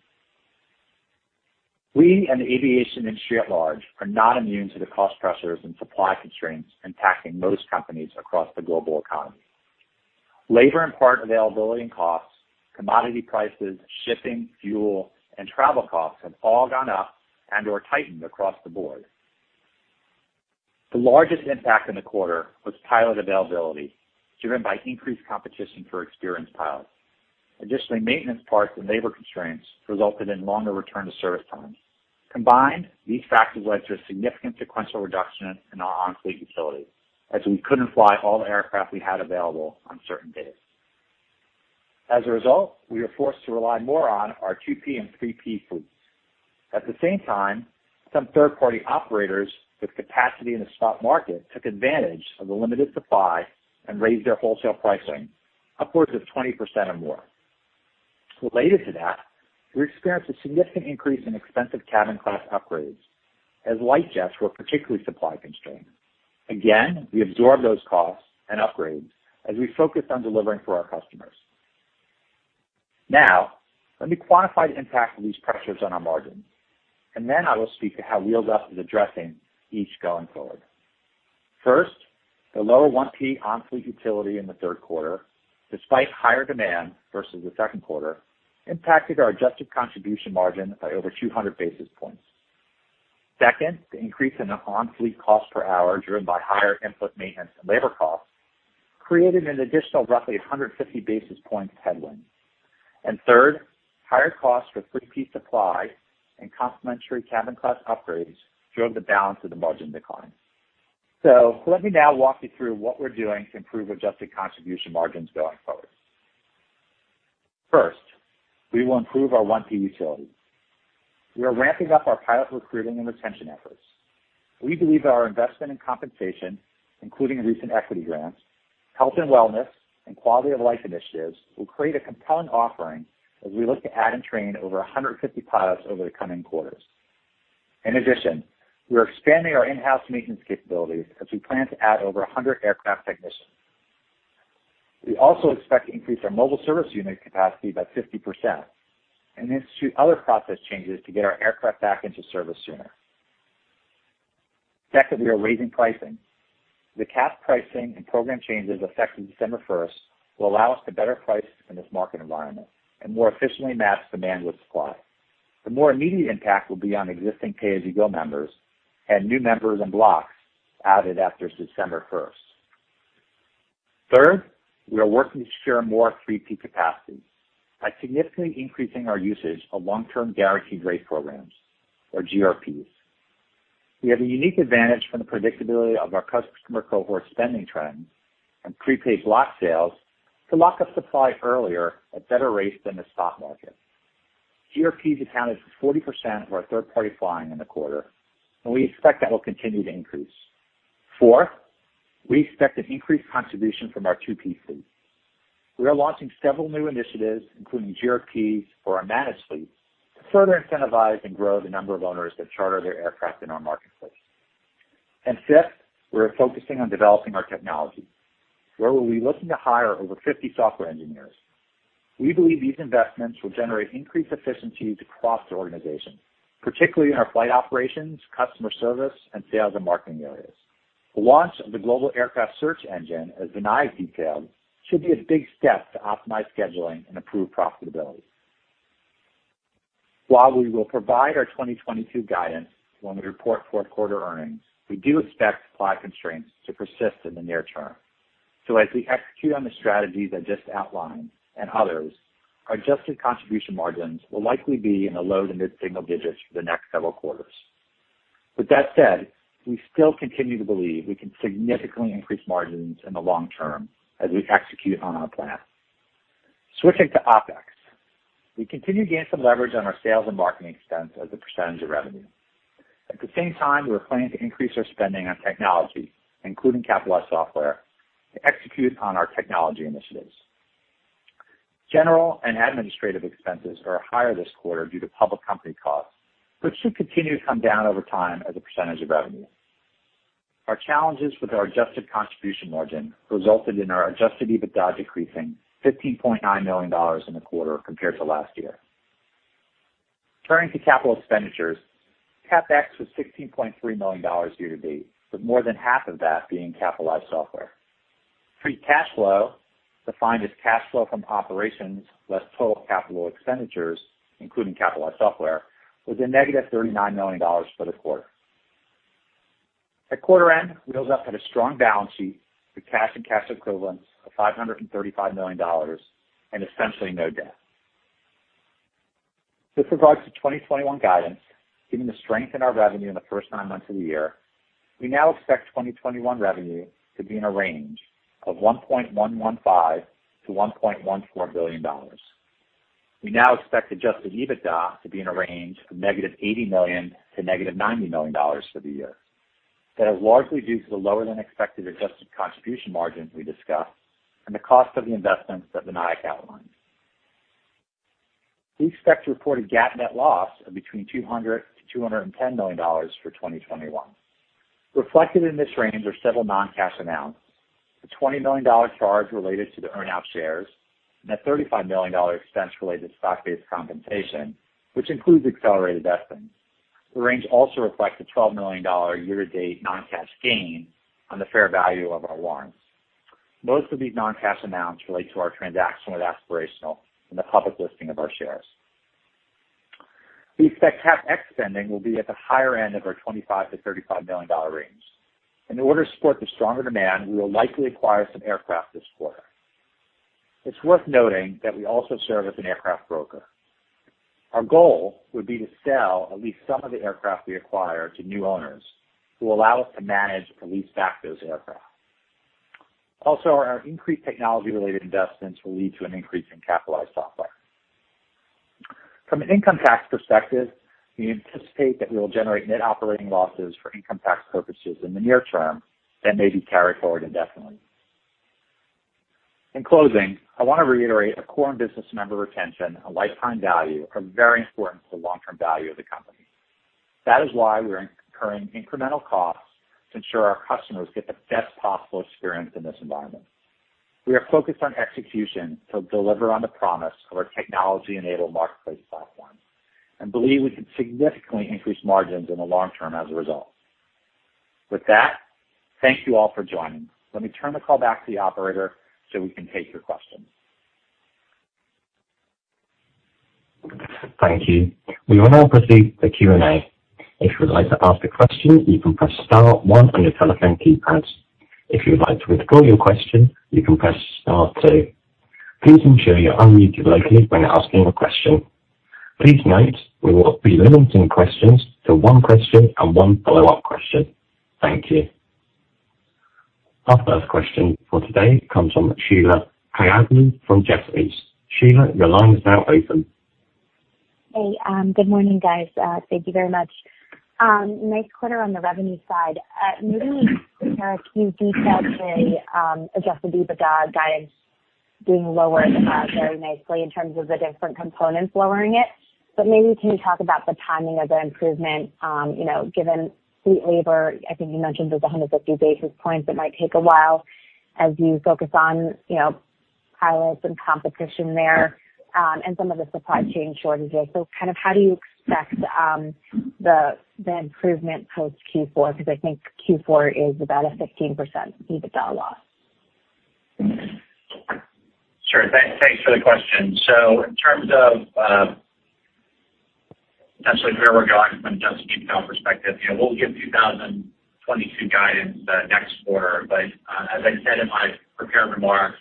We and the aviation industry at large are not immune to the cost pressures and supply constraints impacting most companies across the global economy. Labor and part availability and costs, commodity prices, shipping, fuel, and travel costs have all gone up and/or tightened across the board. The largest impact in the quarter was pilot availability, driven by increased competition for experienced pilots. Additionally, maintenance parts and labor constraints resulted in longer return to service times. Combined, these factors led to a significant sequential reduction in our on-fleet utility as we couldn't fly all the aircraft we had available on certain days. As a result, we are forced to rely more on our 2P and 3P fleets. At the same time, some third-party operators with capacity in the spot market took advantage of the limited supply and raised their wholesale pricing upwards of 20% or more. Related to that, we experienced a significant increase in expensive cabin class upgrades as light jets were particularly supply constrained. Again, we absorbed those costs and upgrades as we focused on delivering for our customers. Now, let me quantify the impact of these pressures on our margins, and then I will speak to how Wheels Up is addressing each going forward. First, the lower 1P on-fleet utility in the Q3, despite higher demand versus the Q2, impacted our adjusted contribution margin by over 200 basis points. Second, the increase in the on-fleet cost per hour, driven by higher input maintenance and labor costs, created an additional roughly 150 basis points headwind. Third, higher costs for 3P supply and complimentary cabin class upgrades drove the balance of the margin decline. Let me now walk you through what we're doing to improve adjusted contribution margins going forward. First, we will improve our 1P utility. We are ramping up our pilot recruiting and retention efforts. We believe that our investment in compensation, including recent equity grants, health and wellness, and quality-of-life initiatives will create a compelling offering as we look to add and train over 150 pilots over the coming quarters. In addition, we are expanding our in-house maintenance capabilities as we plan to add over 100 aircraft technicians. We also expect to increase our mobile service unit capacity by 50% and institute other process changes to get our aircraft back into service sooner. Second, we are raising pricing. The CAS pricing and program changes effective December first will allow us to better price in this market environment and more efficiently match demand with supply. The more immediate impact will be on existing pay-as-you-go members and new members and blocks added after December first. Third, we are working to share more 3P capacity by significantly increasing our usage of long-term guaranteed rate programs or GRPs. We have a unique advantage from the predictability of our customer cohort spending trends and prepaid block sales to lock up supply earlier at better rates than the spot market. GRPs accounted for 40% of our third-party flying in the quarter, and we expect that will continue to increase. Fourth, we expect an increased contribution from our 2P fleet. We are launching several new initiatives, including GRPs for our managed fleet, to further incentivize and grow the number of owners that charter their aircraft in our marketplace. Fifth, we're focusing on developing our technology, where we'll be looking to hire over 50 software engineers. We believe these investments will generate increased efficiencies across the organization, particularly in our flight operations, customer service, and sales and marketing areas. The launch of the global aircraft search engine, as Vinayak Hegde detailed, should be a big step to optimize scheduling and improve profitability. While we will provide our 2022 guidance when we report Q4 earnings, we do expect supply constraints to persist in the near term. As we execute on the strategies I just outlined and others, our adjusted contribution margins will likely be in the low- to mid-single digits% for the next several quarters. With that said, we still continue to believe we can significantly increase margins in the long term as we execute on our plan. Switching to OpEx. We continue to gain some leverage on our sales and marketing expense as a percentage of revenue. At the same time, we're planning to increase our spending on technology, including capitalized software, to execute on our technology initiatives. General and administrative expenses are higher this quarter due to public company costs, which should continue to come down over time as a percentage of revenue. Our challenges with our adjusted contribution margin resulted in our adjusted EBITDA decreasing $15.9 million in the quarter compared to last year. Turning to capital expenditures, CapEx was $16.3 million year to date, with more than half of that being capitalized software. Free cash flow, defined as cash flow from operations less total capital expenditures, including capitalized software, was -$39 million for the quarter. At quarter end, we closed with a strong balance sheet with cash and cash equivalents of $535 million and essentially no debt. Regarding 2021 guidance, given the strength in our revenue in the first nine months of the year, we now expect 2021 revenue to be in a range of $1.115 billion-$1.14 billion. We now expect adjusted EBITDA to be in a range of -$80 million to -$90 million for the year. That is largely due to the lower than expected adjusted contribution margins we discussed and the cost of the investments that Vinayak outlined. We expect to report a GAAP net loss of between $200-$210 million for 2021. Reflected in this range are several non-cash amounts. The $20 million charge related to the earn-out shares and a $35 million expense related to stock-based compensation, which includes accelerated vesting. The range also reflects a $12 million year-to-date non-cash gain on the fair value of our warrants. Most of these non-cash amounts relate to our transaction with Aspirational and the public listing of our shares. We expect CapEx spending will be at the higher end of our $25-$35 million range. In order to support the stronger demand, we will likely acquire some aircraft this quarter. It's worth noting that we also serve as an aircraft broker. Our goal would be to sell at least some of the aircraft we acquire to new owners who allow us to manage or lease back those aircraft. Also, our increased technology-related investments will lead to an increase in capitalized software. From an income tax perspective, we anticipate that we will generate net operating losses for income tax purposes in the near term that may be carried forward indefinitely. In closing, I want to reiterate that a core business member retention and lifetime value are very important to the long-term value of the company. That is why we're incurring incremental costs to ensure our customers get the best possible experience in this environment. We are focused on execution to deliver on the promise of our technology-enabled marketplace platform and believe we can significantly increase margins in the long term as a result. With that, thank you all for joining. Let me turn the call back to the operator, so we can take your questions. Thank you. We will now proceed to Q&A. If you would like to ask a question, you can press star one on your telephone keypad. If you would like to withdraw your question, you can press star two. Please ensure you're unmuted locally when asking a question. Please note, we will be limiting questions to one question and one follow-up question. Thank you. Our first question for today comes from Sheila Kahyaoglu from Jefferies. Sheila, your line is now open. Hey, good morning, guys. Thank you very much. Nice quarter on the revenue side. Maybe there are a few details to adjust the EBITDA guidance being lower very nicely in terms of the different components lowering it. Maybe can you talk about the timing of the improvement, you know, given fleet labor? I think you mentioned there's 150 basis points that might take a while as you focus on, you know, pilots and competition there, and some of the supply chain shortages. Kind of how do you expect the improvement post Q4? Because I think Q4 is about a 15% EBITDA loss. Sure. Thanks for the question. In terms of essentially where we're going from an adjusted EBITDA perspective, you know, we'll give 2022 guidance next quarter. As I said in my prepared remarks,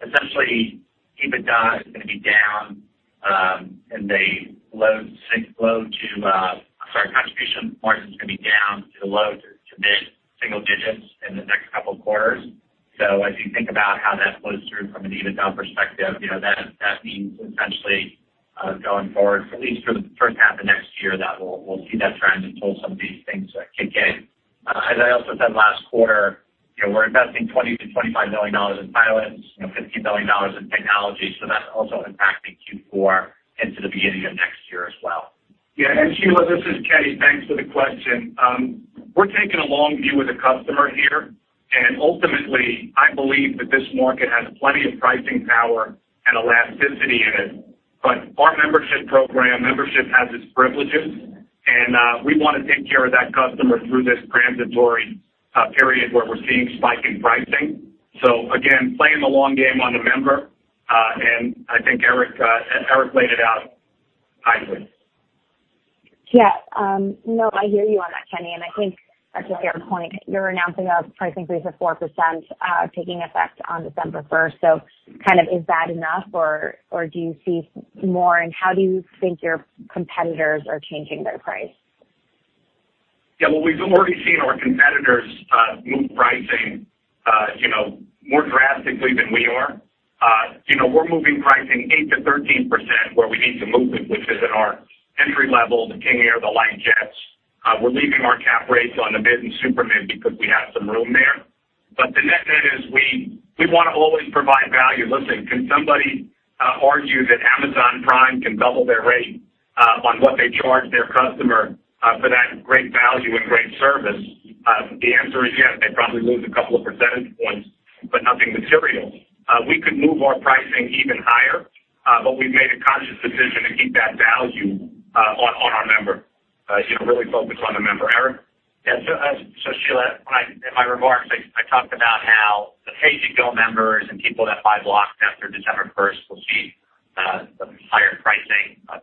essentially EBITDA is going to be down. I'm sorry, contribution margin is going to be down to low- to mid-single digits% in the next couple of quarters. As you think about how that flows through from an EBITDA perspective, you know, that means essentially going forward, at least for the first half of next year, that we'll see that trend until some of these things kick in. As I also said last quarter, you know, we're investing $20 million-$25 million in pilots, you know, $15 million in technology. That's also impacting Q4 into the beginning of next year as well. Yeah. Sheila, this is Kenny. Thanks for the question. We're taking a long view with the customer here, and ultimately, I believe that this market has plenty of pricing power and elasticity in it. But our membership program, membership has its privileges, and we wanna take care of that customer through this transitory period where we're seeing spiking pricing. Again, playing the long game on the member, and I think Eric laid it out nicely. Yeah. No, I hear you on that, Kenny. I think back to Eric's point, you're announcing a price increase of 4%, taking effect on December 1st. Kind of is that enough or do you see more? How do you think your competitors are changing their price? Yeah. Well, we've already seen our competitors move pricing, you know, more drastically than we are. You know, we're moving pricing 8%-13% where we need to move it, which is at our entry level, the King Air, the light jets. We're leaving our cap rates on the mid and super mid because we have some room there. But the net-net is we wanna always provide value. Listen, can somebody argue that Amazon Prime can double their rate on what they charge their customer for that great value and great service? The answer is yes. They probably lose a couple of percentage points, but nothing material. We could move our pricing even higher, but we've made a conscious decision to keep that value on our member, you know, really focus on the member. Eric? Yeah. Sheila, when, in my remarks, I talked about how the pay-as-you-go members and people that buy blocks after December 1st will see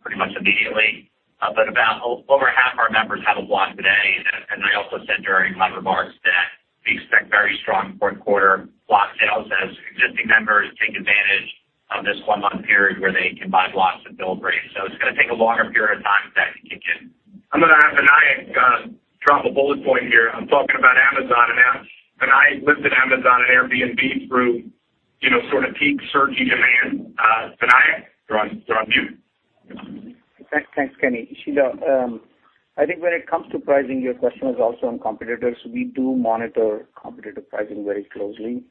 pretty much immediately but about over half of our members have a block today and I also said during my remarks that we expect very strong Q4 block sales as existing members take advantage of this one-month period where they can buy blocks and build rates. It's gonna take a longer period of time for that to kick in. I'm gonna have Vinayak drop a bullet point here. I'm talking about Amazon. Now Vinayak listed Amazon and Airbnb through, you know, sort of peak surging demand. Vinayak, you're on mute. Thanks, Kenny. Sheila, I think when it comes to pricing, your question is also on competitors. We do monitor competitive pricing very closely.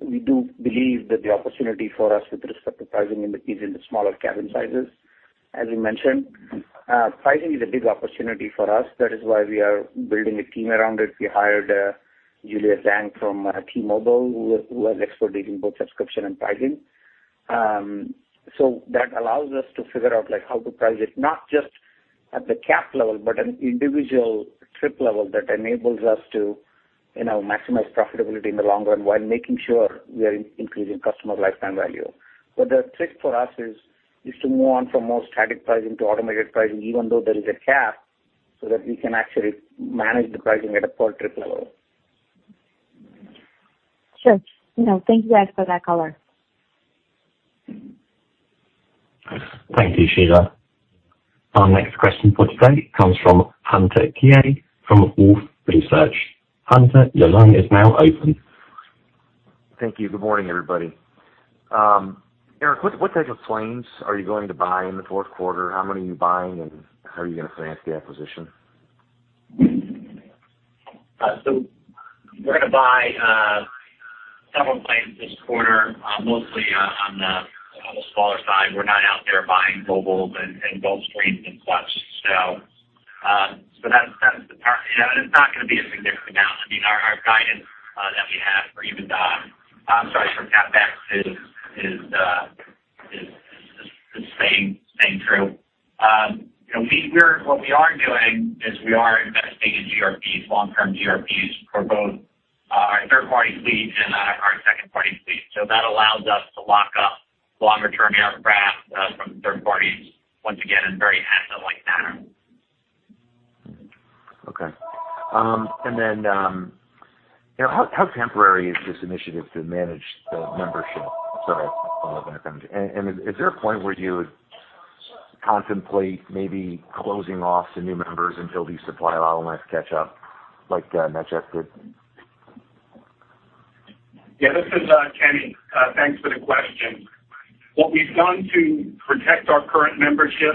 We do believe that the opportunity for us with respect to pricing is in the smaller cabin sizes, as we mentioned. Pricing is a big opportunity for us. That is why we are building a team around it. We hired Julia Zhang from T-Mobile, who has expertise in both subscription and pricing. So that allows us to figure out, like, how to price it, not just at the cap level, but an individual trip level that enables us to, you know, maximize profitability in the long run while making sure we are increasing customer lifetime value. The trick for us is to move on from more static pricing to automated pricing, even though there is a cap, so that we can actually manage the pricing at a per trip level. Sure. No, thank you guys for that color. Thank you, Sheila. Our next question for today comes from Hunter Keay from Wolfe Research. Hunter, your line is now open. Thank you. Good morning, everybody. Eric, what type of planes are you going to buy in the Q4? How many are you buying, and how are you gonna finance the acquisition? We're gonna buy several planes this quarter, mostly on the smaller side. We're not out there buying Globals and Gulfstreams and Challengers. That's the part. You know, and it's not gonna be a significant amount. I mean, our guidance that we have for CapEx is staying true. You know, what we are doing is we are investing in GRPs, long-term GRPs for both our third-party fleet and our second party fleet. That allows us to lock up longer-term aircraft from third parties once again in a very asset-light manner. Okay. How temporary is this initiative to manage the membership? Sorry. Is there a point where you would contemplate maybe closing off to new members until these supply bottlenecks catch up like NetJets did? Yeah, this is Kenny. Thanks for the question. What we've done to protect our current membership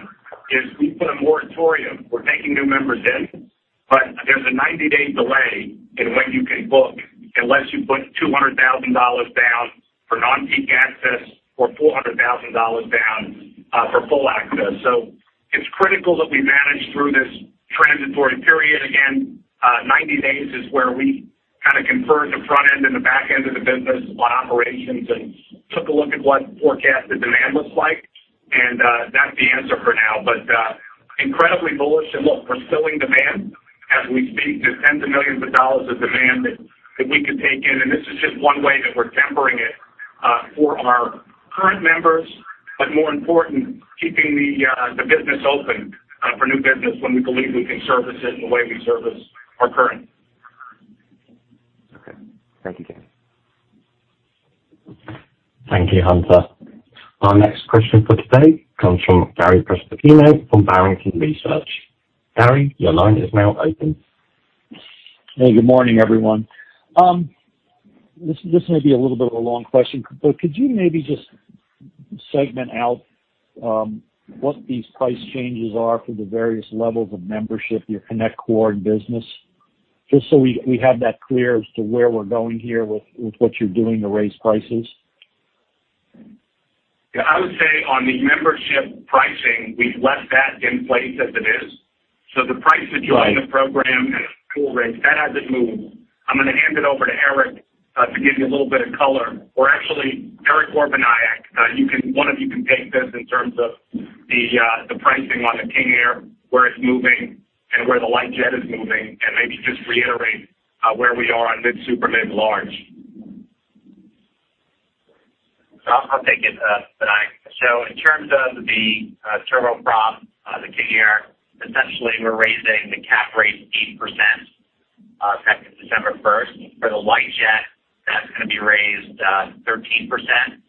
is we put a moratorium. We're taking new members in, but there's a 90-day delay in when you can book, unless you put $200,000 down for non-peak access or $400,000 down for full access. It's critical that we manage through this transitory period. Again, 90 days is where we kinda conferred the front end and the back end of the business on operations and took a look at what forecasted demand looks like, and that's the answer for now. Incredibly bullish. Look, we're filling demand as we speak. There's tens of millions of dollars of demand that we could take in, and this is just one way that we're tempering it for our current members. More important, keeping the business open for new business when we believe we can service it in the way we service our current members. Okay. Thank you, Kenny. Thank you, Hunter. Our next question for today comes from Gary Prestopino from Barrington Research. Gary, your line is now open. Hey, good morning, everyone. This may be a little bit of a long question, but could you maybe just segment out what these price changes are for the various levels of membership, your Connect Core business, just so we have that clear as to where we're going here with what you're doing to raise prices? Yeah, I would say on the membership pricing, we've left that in place as it is. Right. The price to join the program and the pool rate, that hasn't moved. I'm gonna hand it over to Eric to give you a little bit of color. Or actually, Eric or Vinayak, one of you can take this in terms of the pricing on the King Air, where it's moving and where the light jet is moving, and maybe just reiterate where we are on mid, super mid, large. I'll take it, Vinayak. In terms of the turboprop, the King Air, essentially, we're raising the cap rate 8%, December 1. For the light jet, that's gonna be raised 13%.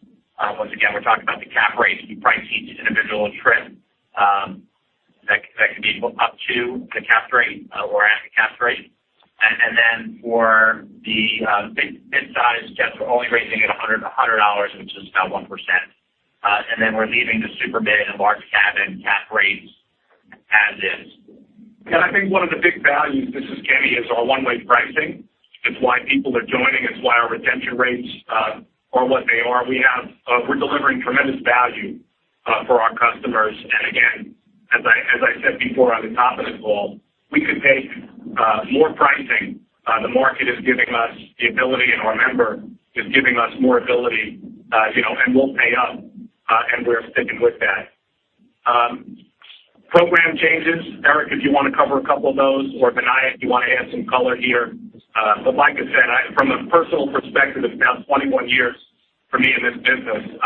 Once again, we're talking about the cap rate. We price each individual trip that can be up to the cap rate or at the cap rate. Then for the mid-sized jets, we're only raising it $100, which is about 1%. Then we're leaving the super mid and large cabin cap rates as is. I think one of the big values, this is Kenny, is our one-way pricing. It's why people are joining. It's why our retention rates are what they are. We're delivering tremendous value for our customers. Again, as I said before on the top of this call, we could take more pricing. The market is giving us the ability, and our member is giving us more ability, you know, and we'll pay up, and we're sticking with that. Program changes. Eric, if you wanna cover a couple of those or Vinayak, if you wanna add some color here. Like I said, from a personal perspective of now 21 years for me in this business,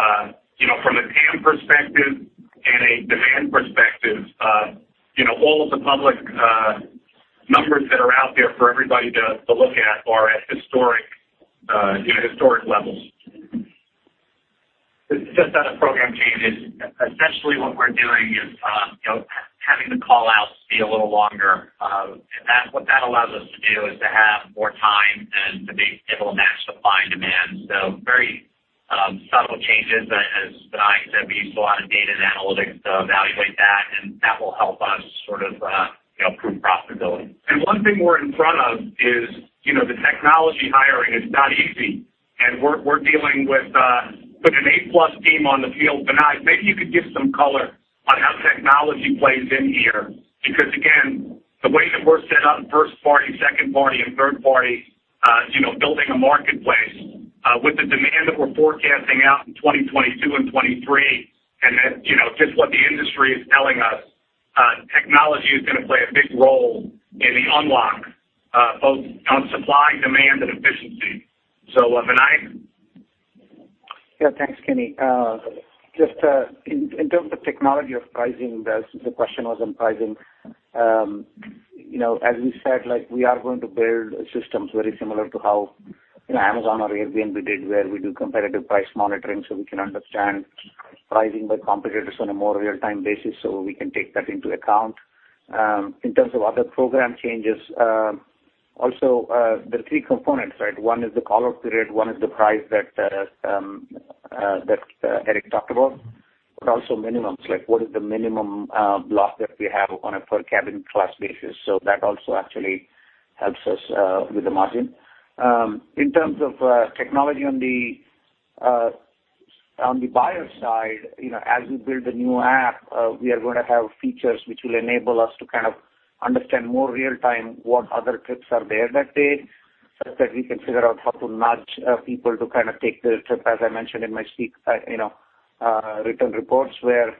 you know, from a TAM perspective and a demand perspective, you know, all of the public numbers that are out there for everybody to look at are at historic levels. It's just that a program change is essentially what we're doing, you know, having the call-outs be a little longer. And what that allows us to do is to have more time and to be able to match supply and demand. Very subtle changes. As Vinay said, we use a lot of data and analytics to evaluate that, and that will help us sort of, you know, improve profitability. One thing we're in front of is, you know, the technology hiring is not easy and we're dealing with an A+ team on the field. Vinay, maybe you could give some color on how technology plays in here, because again, the way that we're set up, first party, second party and third party, you know, building a marketplace with the demand that we're forecasting out in 2022 and 2023, and then, you know, just what the industry is telling us, technology is gonna play a big role in the unlock, both on supply, demand and efficiency. Vinay. Yeah, thanks, Kenny. Just in terms of technology of pricing, the question was on pricing. You know, as we said, like, we are going to build systems very similar to how, you know, Amazon or Airbnb did, where we do competitive price monitoring so we can understand pricing by competitors on a more real-time basis so we can take that into account. In terms of other program changes, also there are three components, right? One is the call out period, one is the price that Eric talked about, but also minimums, like what is the minimum block that we have on a per cabin class basis. So that also actually helps us with the margin. In terms of technology on the buyer side, you know, as we build the new app, we are gonna have features which will enable us to kind of understand more real time what other trips are there that day, such that we can figure out how to nudge people to kind of take the trip. As I mentioned in my speech, you know, written reports where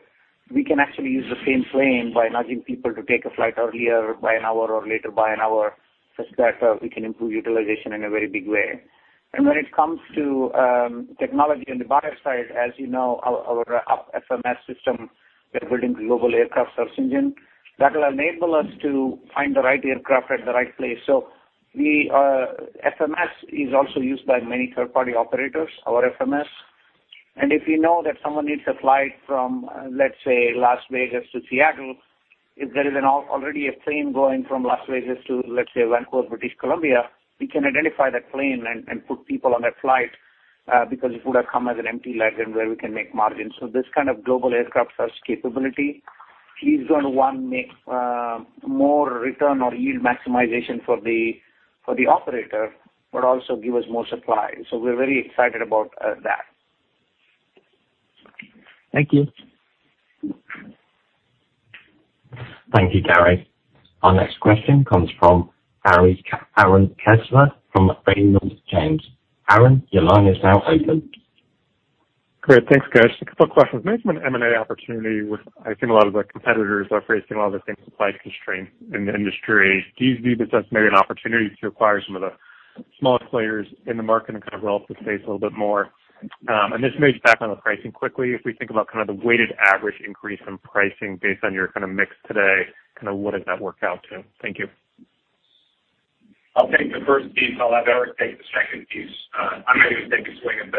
we can actually use the same plane by nudging people to take a flight earlier by an hour or later by an hour such that we can improve utilization in a very big way. When it comes to technology on the buyer side, as you know, our FMS system, we're building global aircraft search engine that will enable us to find the right aircraft at the right place. The FMS is also used by many third party operators, our FMS. If we know that someone needs a flight from, let's say, Las Vegas to Seattle, if there is already a plane going from Las Vegas to, let's say, Vancouver, British Columbia, we can identify that plane and put people on that flight, because it would have come as an empty leg and where we can make margins. This kind of global aircraft search capability is gonna one, make more return or yield maximization for the operator, but also give us more supply. We're very excited about that. Thank you. Thank you, Gary. Our next question comes from Aaron Kessler from Raymond James. Aaron, your line is now open. Great. Thanks, guys. A couple of questions. Maybe some M&A opportunity with, I think a lot of the competitors are facing a lot of the same supply constraints in the industry. Do you view this as maybe an opportunity to acquire some of the smallest players in the market and kind of grow out the space a little bit more? Just maybe back on the pricing quickly, if we think about kind of the weighted average increase in pricing based on your kind of mix today, kind of what does that work out to? Thank you. I'll take the first piece. I'll have Eric take the second piece. I'm not gonna take a swing at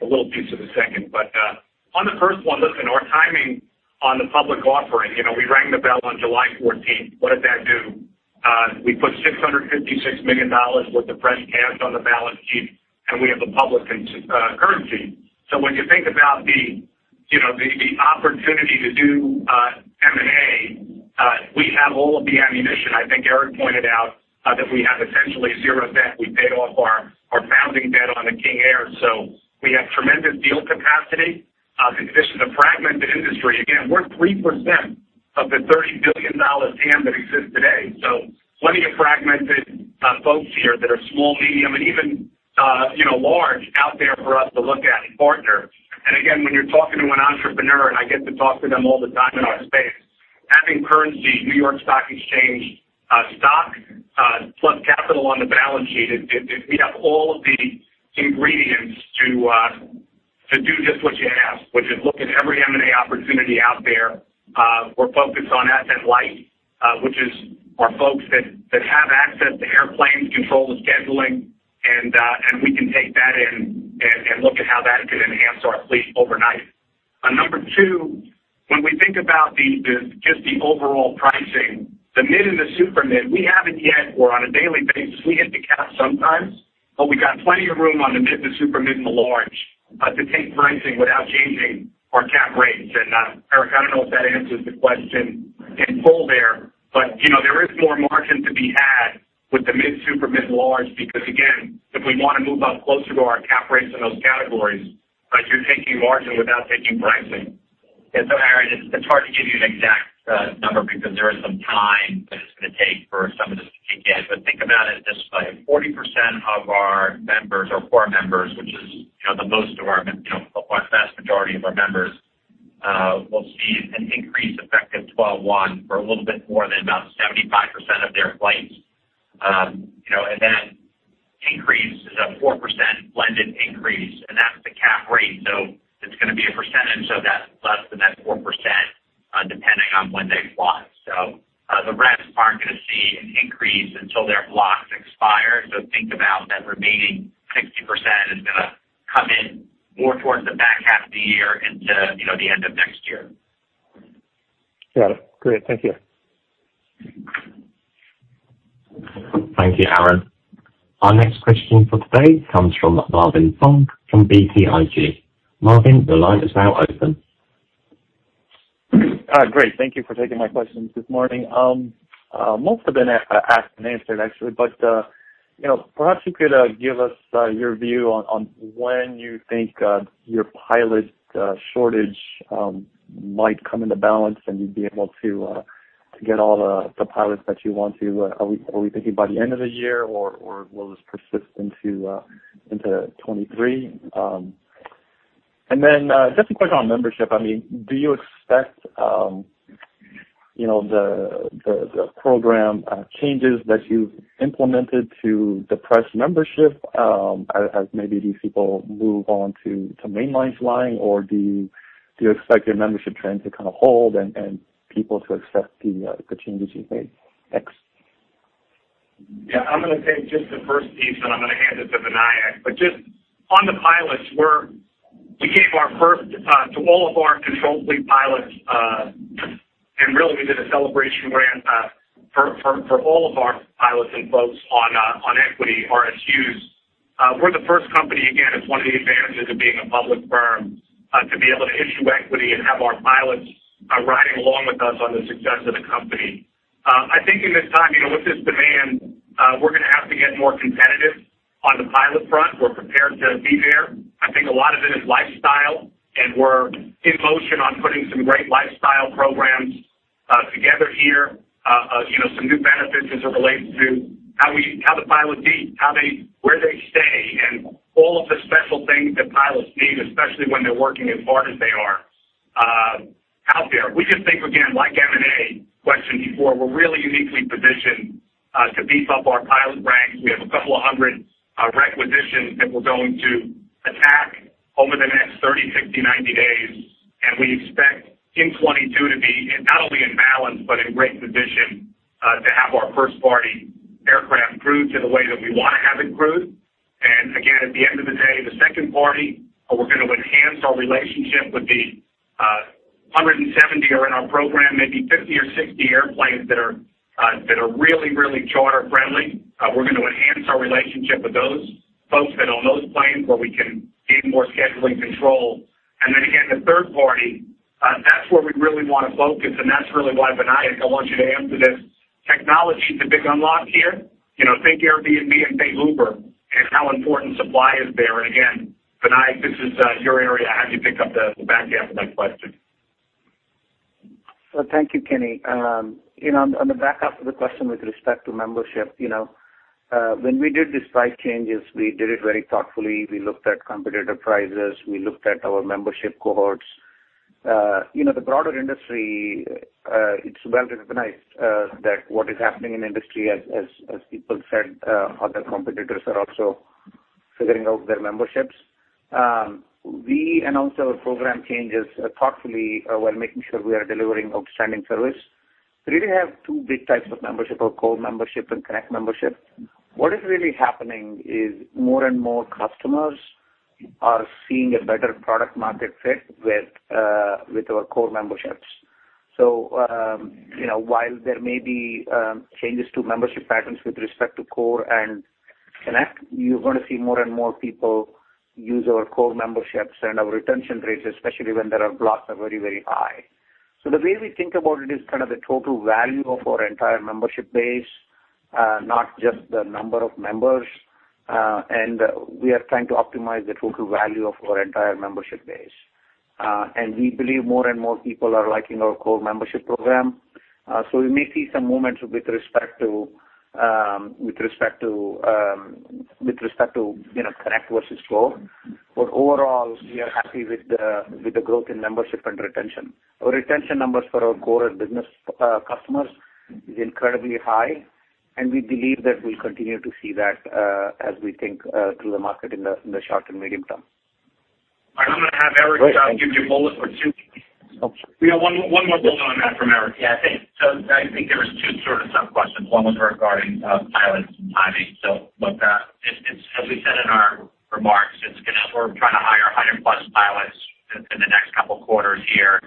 the little piece of the second. On the first one, listen, our timing on the public offering, you know, we rang the bell on July 14. What did that do? We put $656 million worth of fresh cash on the balance sheet, and we have the public currency. When you think about the, you know, the opportunity to do M&A, we have all of the ammunition. I think Eric pointed out that we have essentially zero debt. We paid off our founding debt on the King Air. We have tremendous deal capacity in addition to fragmented industry. Again, we're 3% of the $30 billion TAM that exists today. Plenty of fragmented folks here that are small, medium, and even you know large out there for us to look at and partner. Again, when you're talking to an entrepreneur, and I get to talk to them all the time in our space, having currency, New York Stock Exchange stock plus capital on the balance sheet, it we have all of the ingredients to do just what you asked, which is look at every M&A opportunity out there. We're focused on asset light, which is our folks that have access to airplanes, control the scheduling, and we can take that in and look at how that could enhance our fleet overnight. On number two, when we think about the just the overall pricing, the mid and the super mid, we haven't yet. We're on a daily basis, we hit the cap sometimes, but we got plenty of room on the mid to super mid and the large, to take pricing without changing our cap rates. Eric, I don't know if that answers the question in full there, but you know, there is more margin to be had with the mid, super mid, large because again, if we wanna move up closer to our cap rates in those categories, but you're taking margin without taking pricing. Aaron, it's hard to give you an exact number because there is some time that it's gonna take for some of this to kick in. But think about it this way, 40% of our members are Core members, which is, you know, the most of our mem- you know majority of our members will see an increase effective 12/1 for a little bit more than about 75% of their flights. You know, that increase is a 4% blended increase, and that's the cap rate. It's gonna be a percentage of that, less than that 4%, depending on when they fly. The rest aren't gonna see an increase until their blocks expire. Think about that remaining 60% is gonna come in more towards the back half of the year into, you know, the end of next year. Got it. Great. Thank you. Thank you, Aaron. Our next question for today comes from Marvin Fong from BTIG. Marvin, the line is now open. Great. Thank you for taking my questions this morning. Most have been asked and answered actually, but you know, perhaps you could give us your view on when you think your pilot shortage might come into balance and you'd be able to get all the pilots that you want to. Are we thinking by the end of the year or will this persist into 2023? And then just a question on membership. I mean, do you expect you know, the program changes that you've implemented to depress membership as maybe these people move on to mainlines flying, or do you expect your membership trend to kind of hold and people to accept the changes you've made? Thanks. Yeah. I'm gonna take just the first piece, then I'm gonna hand it to Vinayak. Just on the pilots, we gave our first to all of our control fleet pilots, and really we did a celebration grant for all of our pilots and folks on equity, RSUs. We're the first company, again, it's one of the advantages of being a public firm, to be able to issue equity and have our pilots riding along with us on the success of the company. I think in this time, you know, with this demand, we're gonna have to get more competitive on the pilot front. We're prepared to be there. I think a lot of it is lifestyle, and we're in motion on putting some great lifestyle programs together here. You know, some new benefits as it relates to how the pilots eat, where they stay, and all of the special things that pilots need, especially when they're working as hard as they are out there. We just think, again, like M&A question before, we're really uniquely positioned to beef up our pilot ranks. We have a couple of hundred requisitions that we're going to attack over the next 30, 60, 90 days, and we expect in 2022 to be not only in balance, but in great position to have our first party aircraft crewed to the way that we wanna have it crewed. Again, at the end of the day, the second party, we're gonna enhance our relationship with the 170 in our program, maybe 50 airplanes or 60 airplanes that are really charter friendly. We're gonna enhance our relationship with those folks that own those planes, where we can gain more scheduling control. Then again, the third party, that's where we really wanna focus, and that's really why, Vinayak, I want you to answer this. Technology is a big unlock here. You know, think Airbnb and think Uber, and how important supply is there. Again, Vinayak, this is your area. I'll have you pick up the back half of that question. Well, thank you, Kenny. You know, on the back half of the question with respect to membership, you know, when we did these price changes, we did it very thoughtfully. We looked at competitor prices. We looked at our membership cohorts. You know, the broader industry, it's well-recognized, that what is happening in industry as people said, other competitors are also figuring out their memberships. We announced our program changes, thoughtfully, while making sure we are delivering outstanding service. We really have two big types of membership, our Core membership and Connect membership. What is really happening is more and more customers are seeing a better product market fit with our Core memberships. You know, while there may be changes to membership patterns with respect to Core and Connect, you're gonna see more and more people use our Core memberships and our retention rates, especially when there are blocks, are very high. The way we think about it is kind of the total value of our entire membership base, not just the number of members, and we are trying to optimize the total value of our entire membership base. We believe more and more people are liking our Core membership program. We may see some movements with respect to, you know, Connect versus Core. Overall, we are happy with the growth in membership and retention. Our retention numbers for our Core business customers is incredibly high, and we believe that we'll continue to see that as we think through the market in the short and medium term. All right. I'm gonna have Eric give you a bullet or two. Okay. We got one more bullet on that from Eric. Yeah, thanks. I think there was two sort of sub-questions. One was regarding pilots and timing. Look, as we said in our remarks, we're trying to hire 100+ pilots in the next couple quarters here.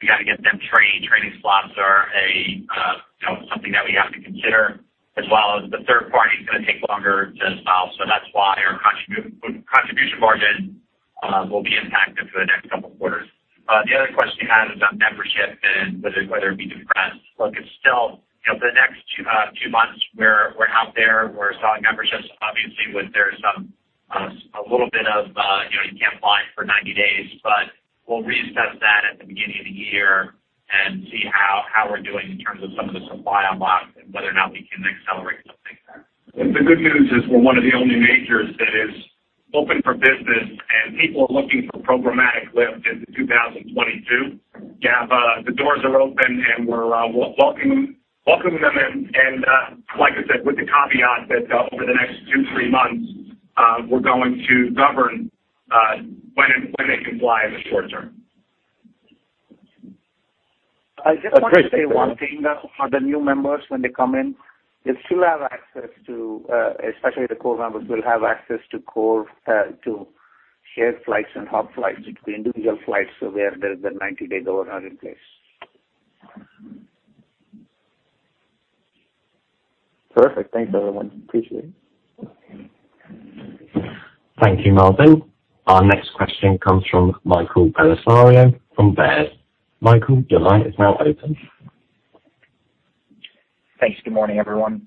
We gotta get them trained. Training slots are, you know, something that we have to consider, as well as the third party is gonna take longer to. That's why our contribution margin will be impacted for the next couple quarters. The other question you had is on membership and whether it be depressed. Look, it's still, you know, the next two months we're out there, we're selling memberships, obviously, with there's some a little bit of, you know, you can't fly for 90 days, but we'll reassess that at the beginning of the year and see how we're doing in terms of some of the supply unlocks and whether or not we can accelerate that. The good news is we're one of the only majors that is open for business, and people are looking for programmatic lift into 2022. Yeah, but the doors are open and we're welcoming them in. Like I said, with the caveat that over the next two, three months, we're going to govern when they can fly in the short term. I just want to say one thing, though, for the new members when they come in, they still have access to, especially the Core members, will have access to Core to shared flights and hub flights between individual flights where there's a 90-day governor in place. Perfect. Thanks, everyone. Appreciate it. Thank you, Marvin. Our next question comes from Michael Bellisario from Baird. Michael, your line is now open. Thanks. Good morning, everyone.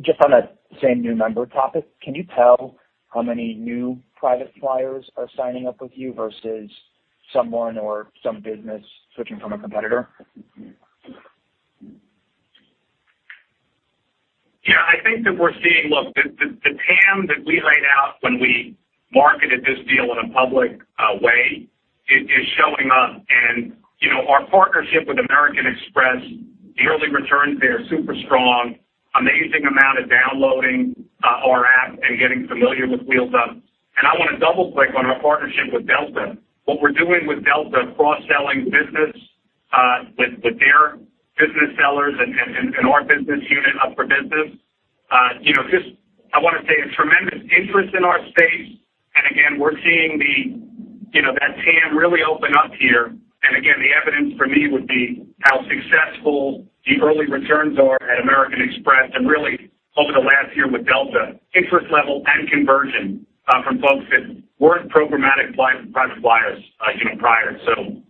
Just on that same new member topic, can you tell how many new private flyers are signing up with you versus someone or some business switching from a competitor? I think that we're seeing. Look, the TAM that we laid out when we marketed this deal in a public way is showing up. You know, our partnership with American Express, the early returns, they are super strong, amazing amount of downloading our app and getting familiar with Wheels Up. I wanna double-click on our partnership with Delta. What we're doing with Delta cross-selling business with their business sellers and our business unit UP for Business, you know, just I wanna say a tremendous interest in our space. We're seeing, you know, that TAM really open up here. Again, the evidence for me would be how successful the early returns are at American Express, and really over the last year with Delta, interest level and conversion from folks that weren't programmatic private flyers, you know, prior.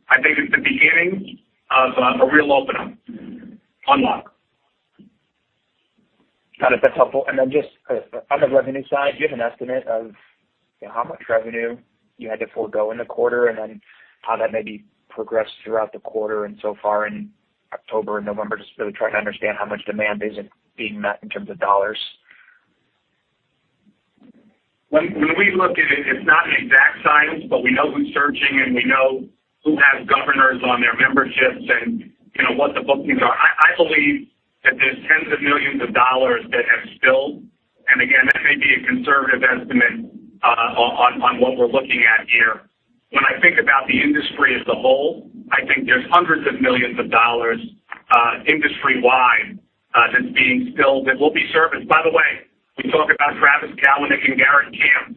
I think it's the beginning of a real unlock. Got it. That's helpful. Just on the revenue side, do you have an estimate of, you know, how much revenue you had to forego in the quarter, and then how that maybe progressed throughout the quarter and so far in October and November? Just really trying to understand how much demand isn't being met in terms of dollars. When we look at it's not an exact science, but we know who's searching and we know who has governors on their memberships and you know, what the bookings are. I believe that there's $10s of millions that have spilled, and again, that may be a conservative estimate, on what we're looking at here. When I think about the industry as a whole, I think there's $100s of millions, industry-wide, that's being spilled that will be serviced. By the way, we talk about Travis Kalanick and Garrett Camp,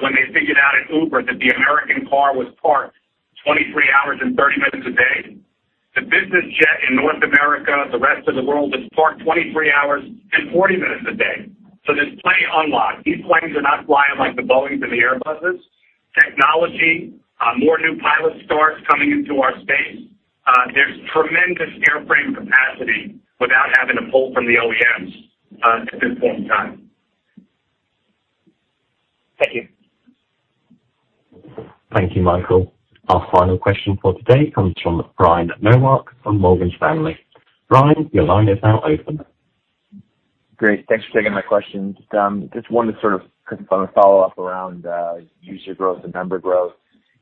when they figured out at Uber that the American car was parked 23 hours and 30 minutes a day. The business jet in North America, the rest of the world is parked 23 hours and 40 minutes a day. There's plenty unlocked. These planes are not flying like the Boeings and the Airbuses. Technology, more new pilot starts coming into our space. There's tremendous airframe capacity without having to pull from the OEMs, at this point in time. Thank you. Thank you, Michael. Our final question for today comes from Brian Nowak from Morgan Stanley. Brian, your line is now open. Great. Thanks for taking my question. Just wanted to sort of confirm a follow-up around user growth and member growth.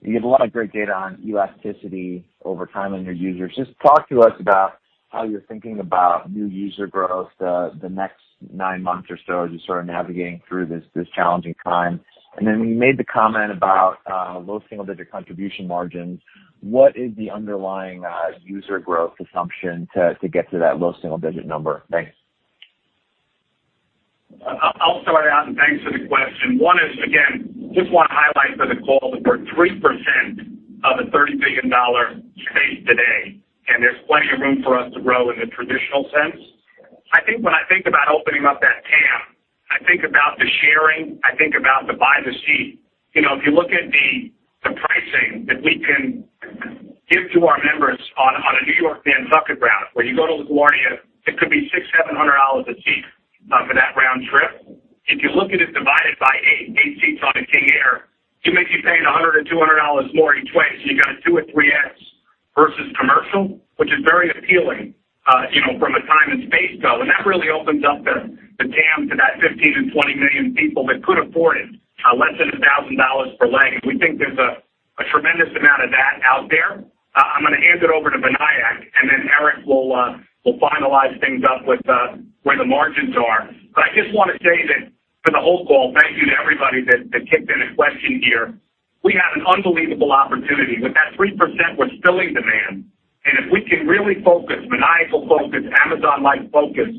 You have a lot of great data on elasticity over time on your users. Just talk to us about how you're thinking about new user growth, the next nine months or so as you're sort of navigating through this challenging time. When you made the comment about low single-digit contribution margins, what is the underlying user growth assumption to get to that low single-digit number? Thanks. I'll start out and thanks for the question. One is, again, just wanna highlight for the call that we're 3% of a $30 billion space today, and there's plenty of room for us to grow in the traditional sense. I think when I think about opening up that TAM, I think about the sharing, I think about the buy the seat. You know, if you look at the pricing that we can give to our members on a New York, Nantucket route where you go to LaGuardia, it could be $600-$700 a seat for that round trip. If you look at it divided by eight seats on a King Air, it makes you paying $100 or $200 more each way, so you got a 2x or 3x versus commercial, which is very appealing, you know, from a time and space go. That really opens up the TAM to that 15 and 20 million people that could afford it, less than $1,000 per leg. We think there's a tremendous amount of that out there. I'm gonna hand it over to Vinayak, and then Eric will finalize things up with where the margins are. I just wanna say that for the whole call, thank you to everybody that kicked in a question here. We have an unbelievable opportunity. With that 3%, we're spilling demand. If we can really focus, Vinayak will focus, Amazon might focus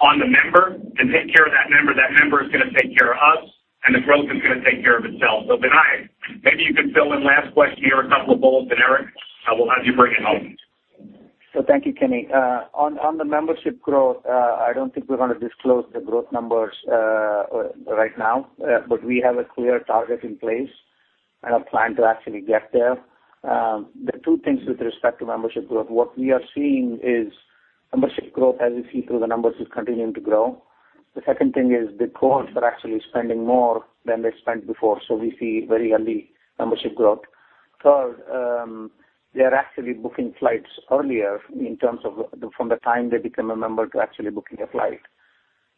on the member and take care of that member, that member is gonna take care of us, and the growth is gonna take care of itself. Vinayak, maybe you can fill in last question here, a couple of bullets, and Erick, we'll have you bring it home. Thank you, Kenny. On the membership growth, I don't think we're gonna disclose the growth numbers right now, but we have a clear target in place and a plan to actually get there. There are two things with respect to membership growth. What we are seeing is membership growth, as you see through the numbers, is continuing to grow. The second thing is the Cores are actually spending more than they spent before, so we see very early membership growth. They're actually booking flights earlier in terms of the time from the time they become a member to actually booking a flight.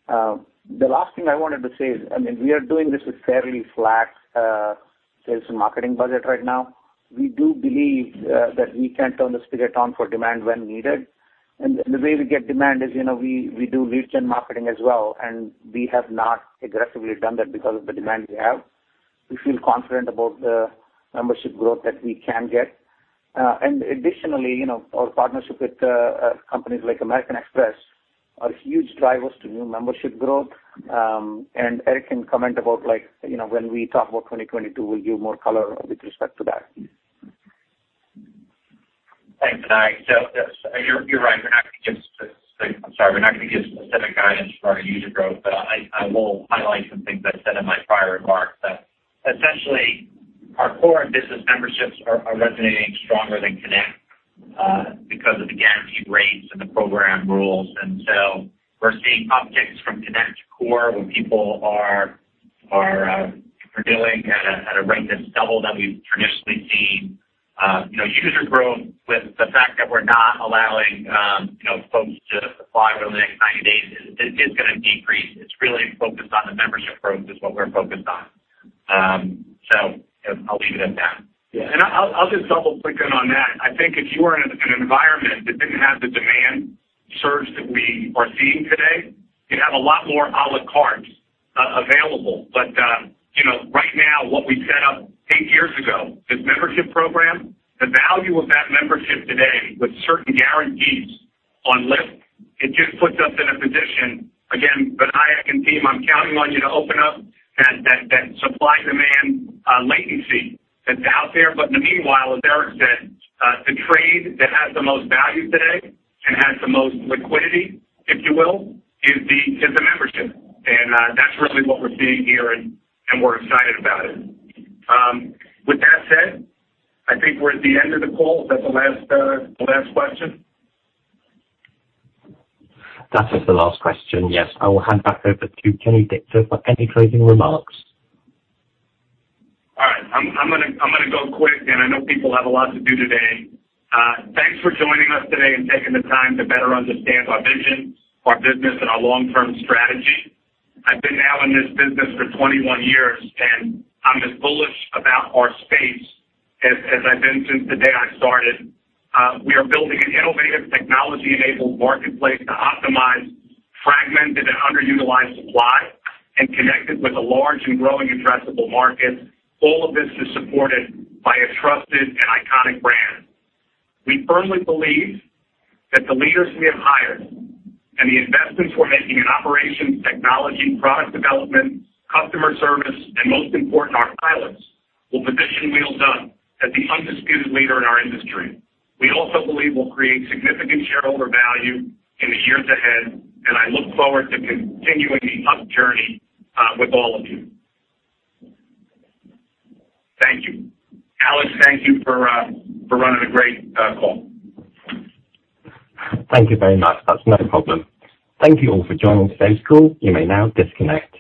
The last thing I wanted to say is, I mean, we are doing this with fairly flat sales and marketing budget right now. We do believe that we can turn the spigot on for demand when needed. The way we get demand is, you know, we do lead gen marketing as well, and we have not aggressively done that because of the demand we have. We feel confident about the membership growth that we can get. Additionally, you know, our partnership with companies like American Express are huge drivers to new membership growth. Eric can comment about like, you know, when we talk about 2022, we'll give more color with respect to that. Thanks, Vinayak. You're right. We're not gonna give specific guidance for our user growth, but I will highlight some things I said in my prior remarks, that essentially our Core and business memberships are resonating stronger than Connect because of the guaranteed rates and the program rules. We're seeing upticks from Connect to Core where people are doing at a rate that's double that we've traditionally seen. User growth with the fact that we're not allowing folks to fly over the next 90 days is gonna decrease. It's really focused on the membership growth is what we're focused on. I'll leave it at that. I'll just double-click in on that. I think if you were in an environment that didn't have the demand surge that we are seeing today, you'd have a lot more a la carte available. You know, right now, what we set up eight years ago, this membership program, the value of that membership today with certain guarantees on lift, it just puts us in a position. Again, Vinayak and team, I'm counting on you to open up that supply-demand latency that's out there. In the meanwhile, as Eric said, the trade that has the most value today and has the most liquidity, if you will, is the membership. That's really what we're seeing here, and we're excited about it. With that said, I think we're at the end of the call. Is that the last question? That is the last question, yes. I will hand back over to Kenny Dichter for any closing remarks. All right. I'm gonna go quick, and I know people have a lot to do today. Thanks for joining us today and taking the time to better understand our vision, our business, and our long-term strategy. I've been now in this business for 21 years, and I'm as bullish about our space as I've been since the day I started. We are building an innovative technology-enabled marketplace to optimize fragmented and underutilized supply and connect it with a large and growing addressable market. All of this is supported by a trusted and iconic brand. We firmly believe that the leaders we have hired and the investments we're making in operations, technology, product development, customer service, and most important, our pilots, will position Wheels Up as the undisputed leader in our industry. We also believe we'll create significant shareholder value in the years ahead, and I look forward to continuing the Wheels Up journey with all of you. Thank you. Alex, thank you for running a great call. Thank you very much. That's no problem. Thank you all for joining today's call. You may now disconnect.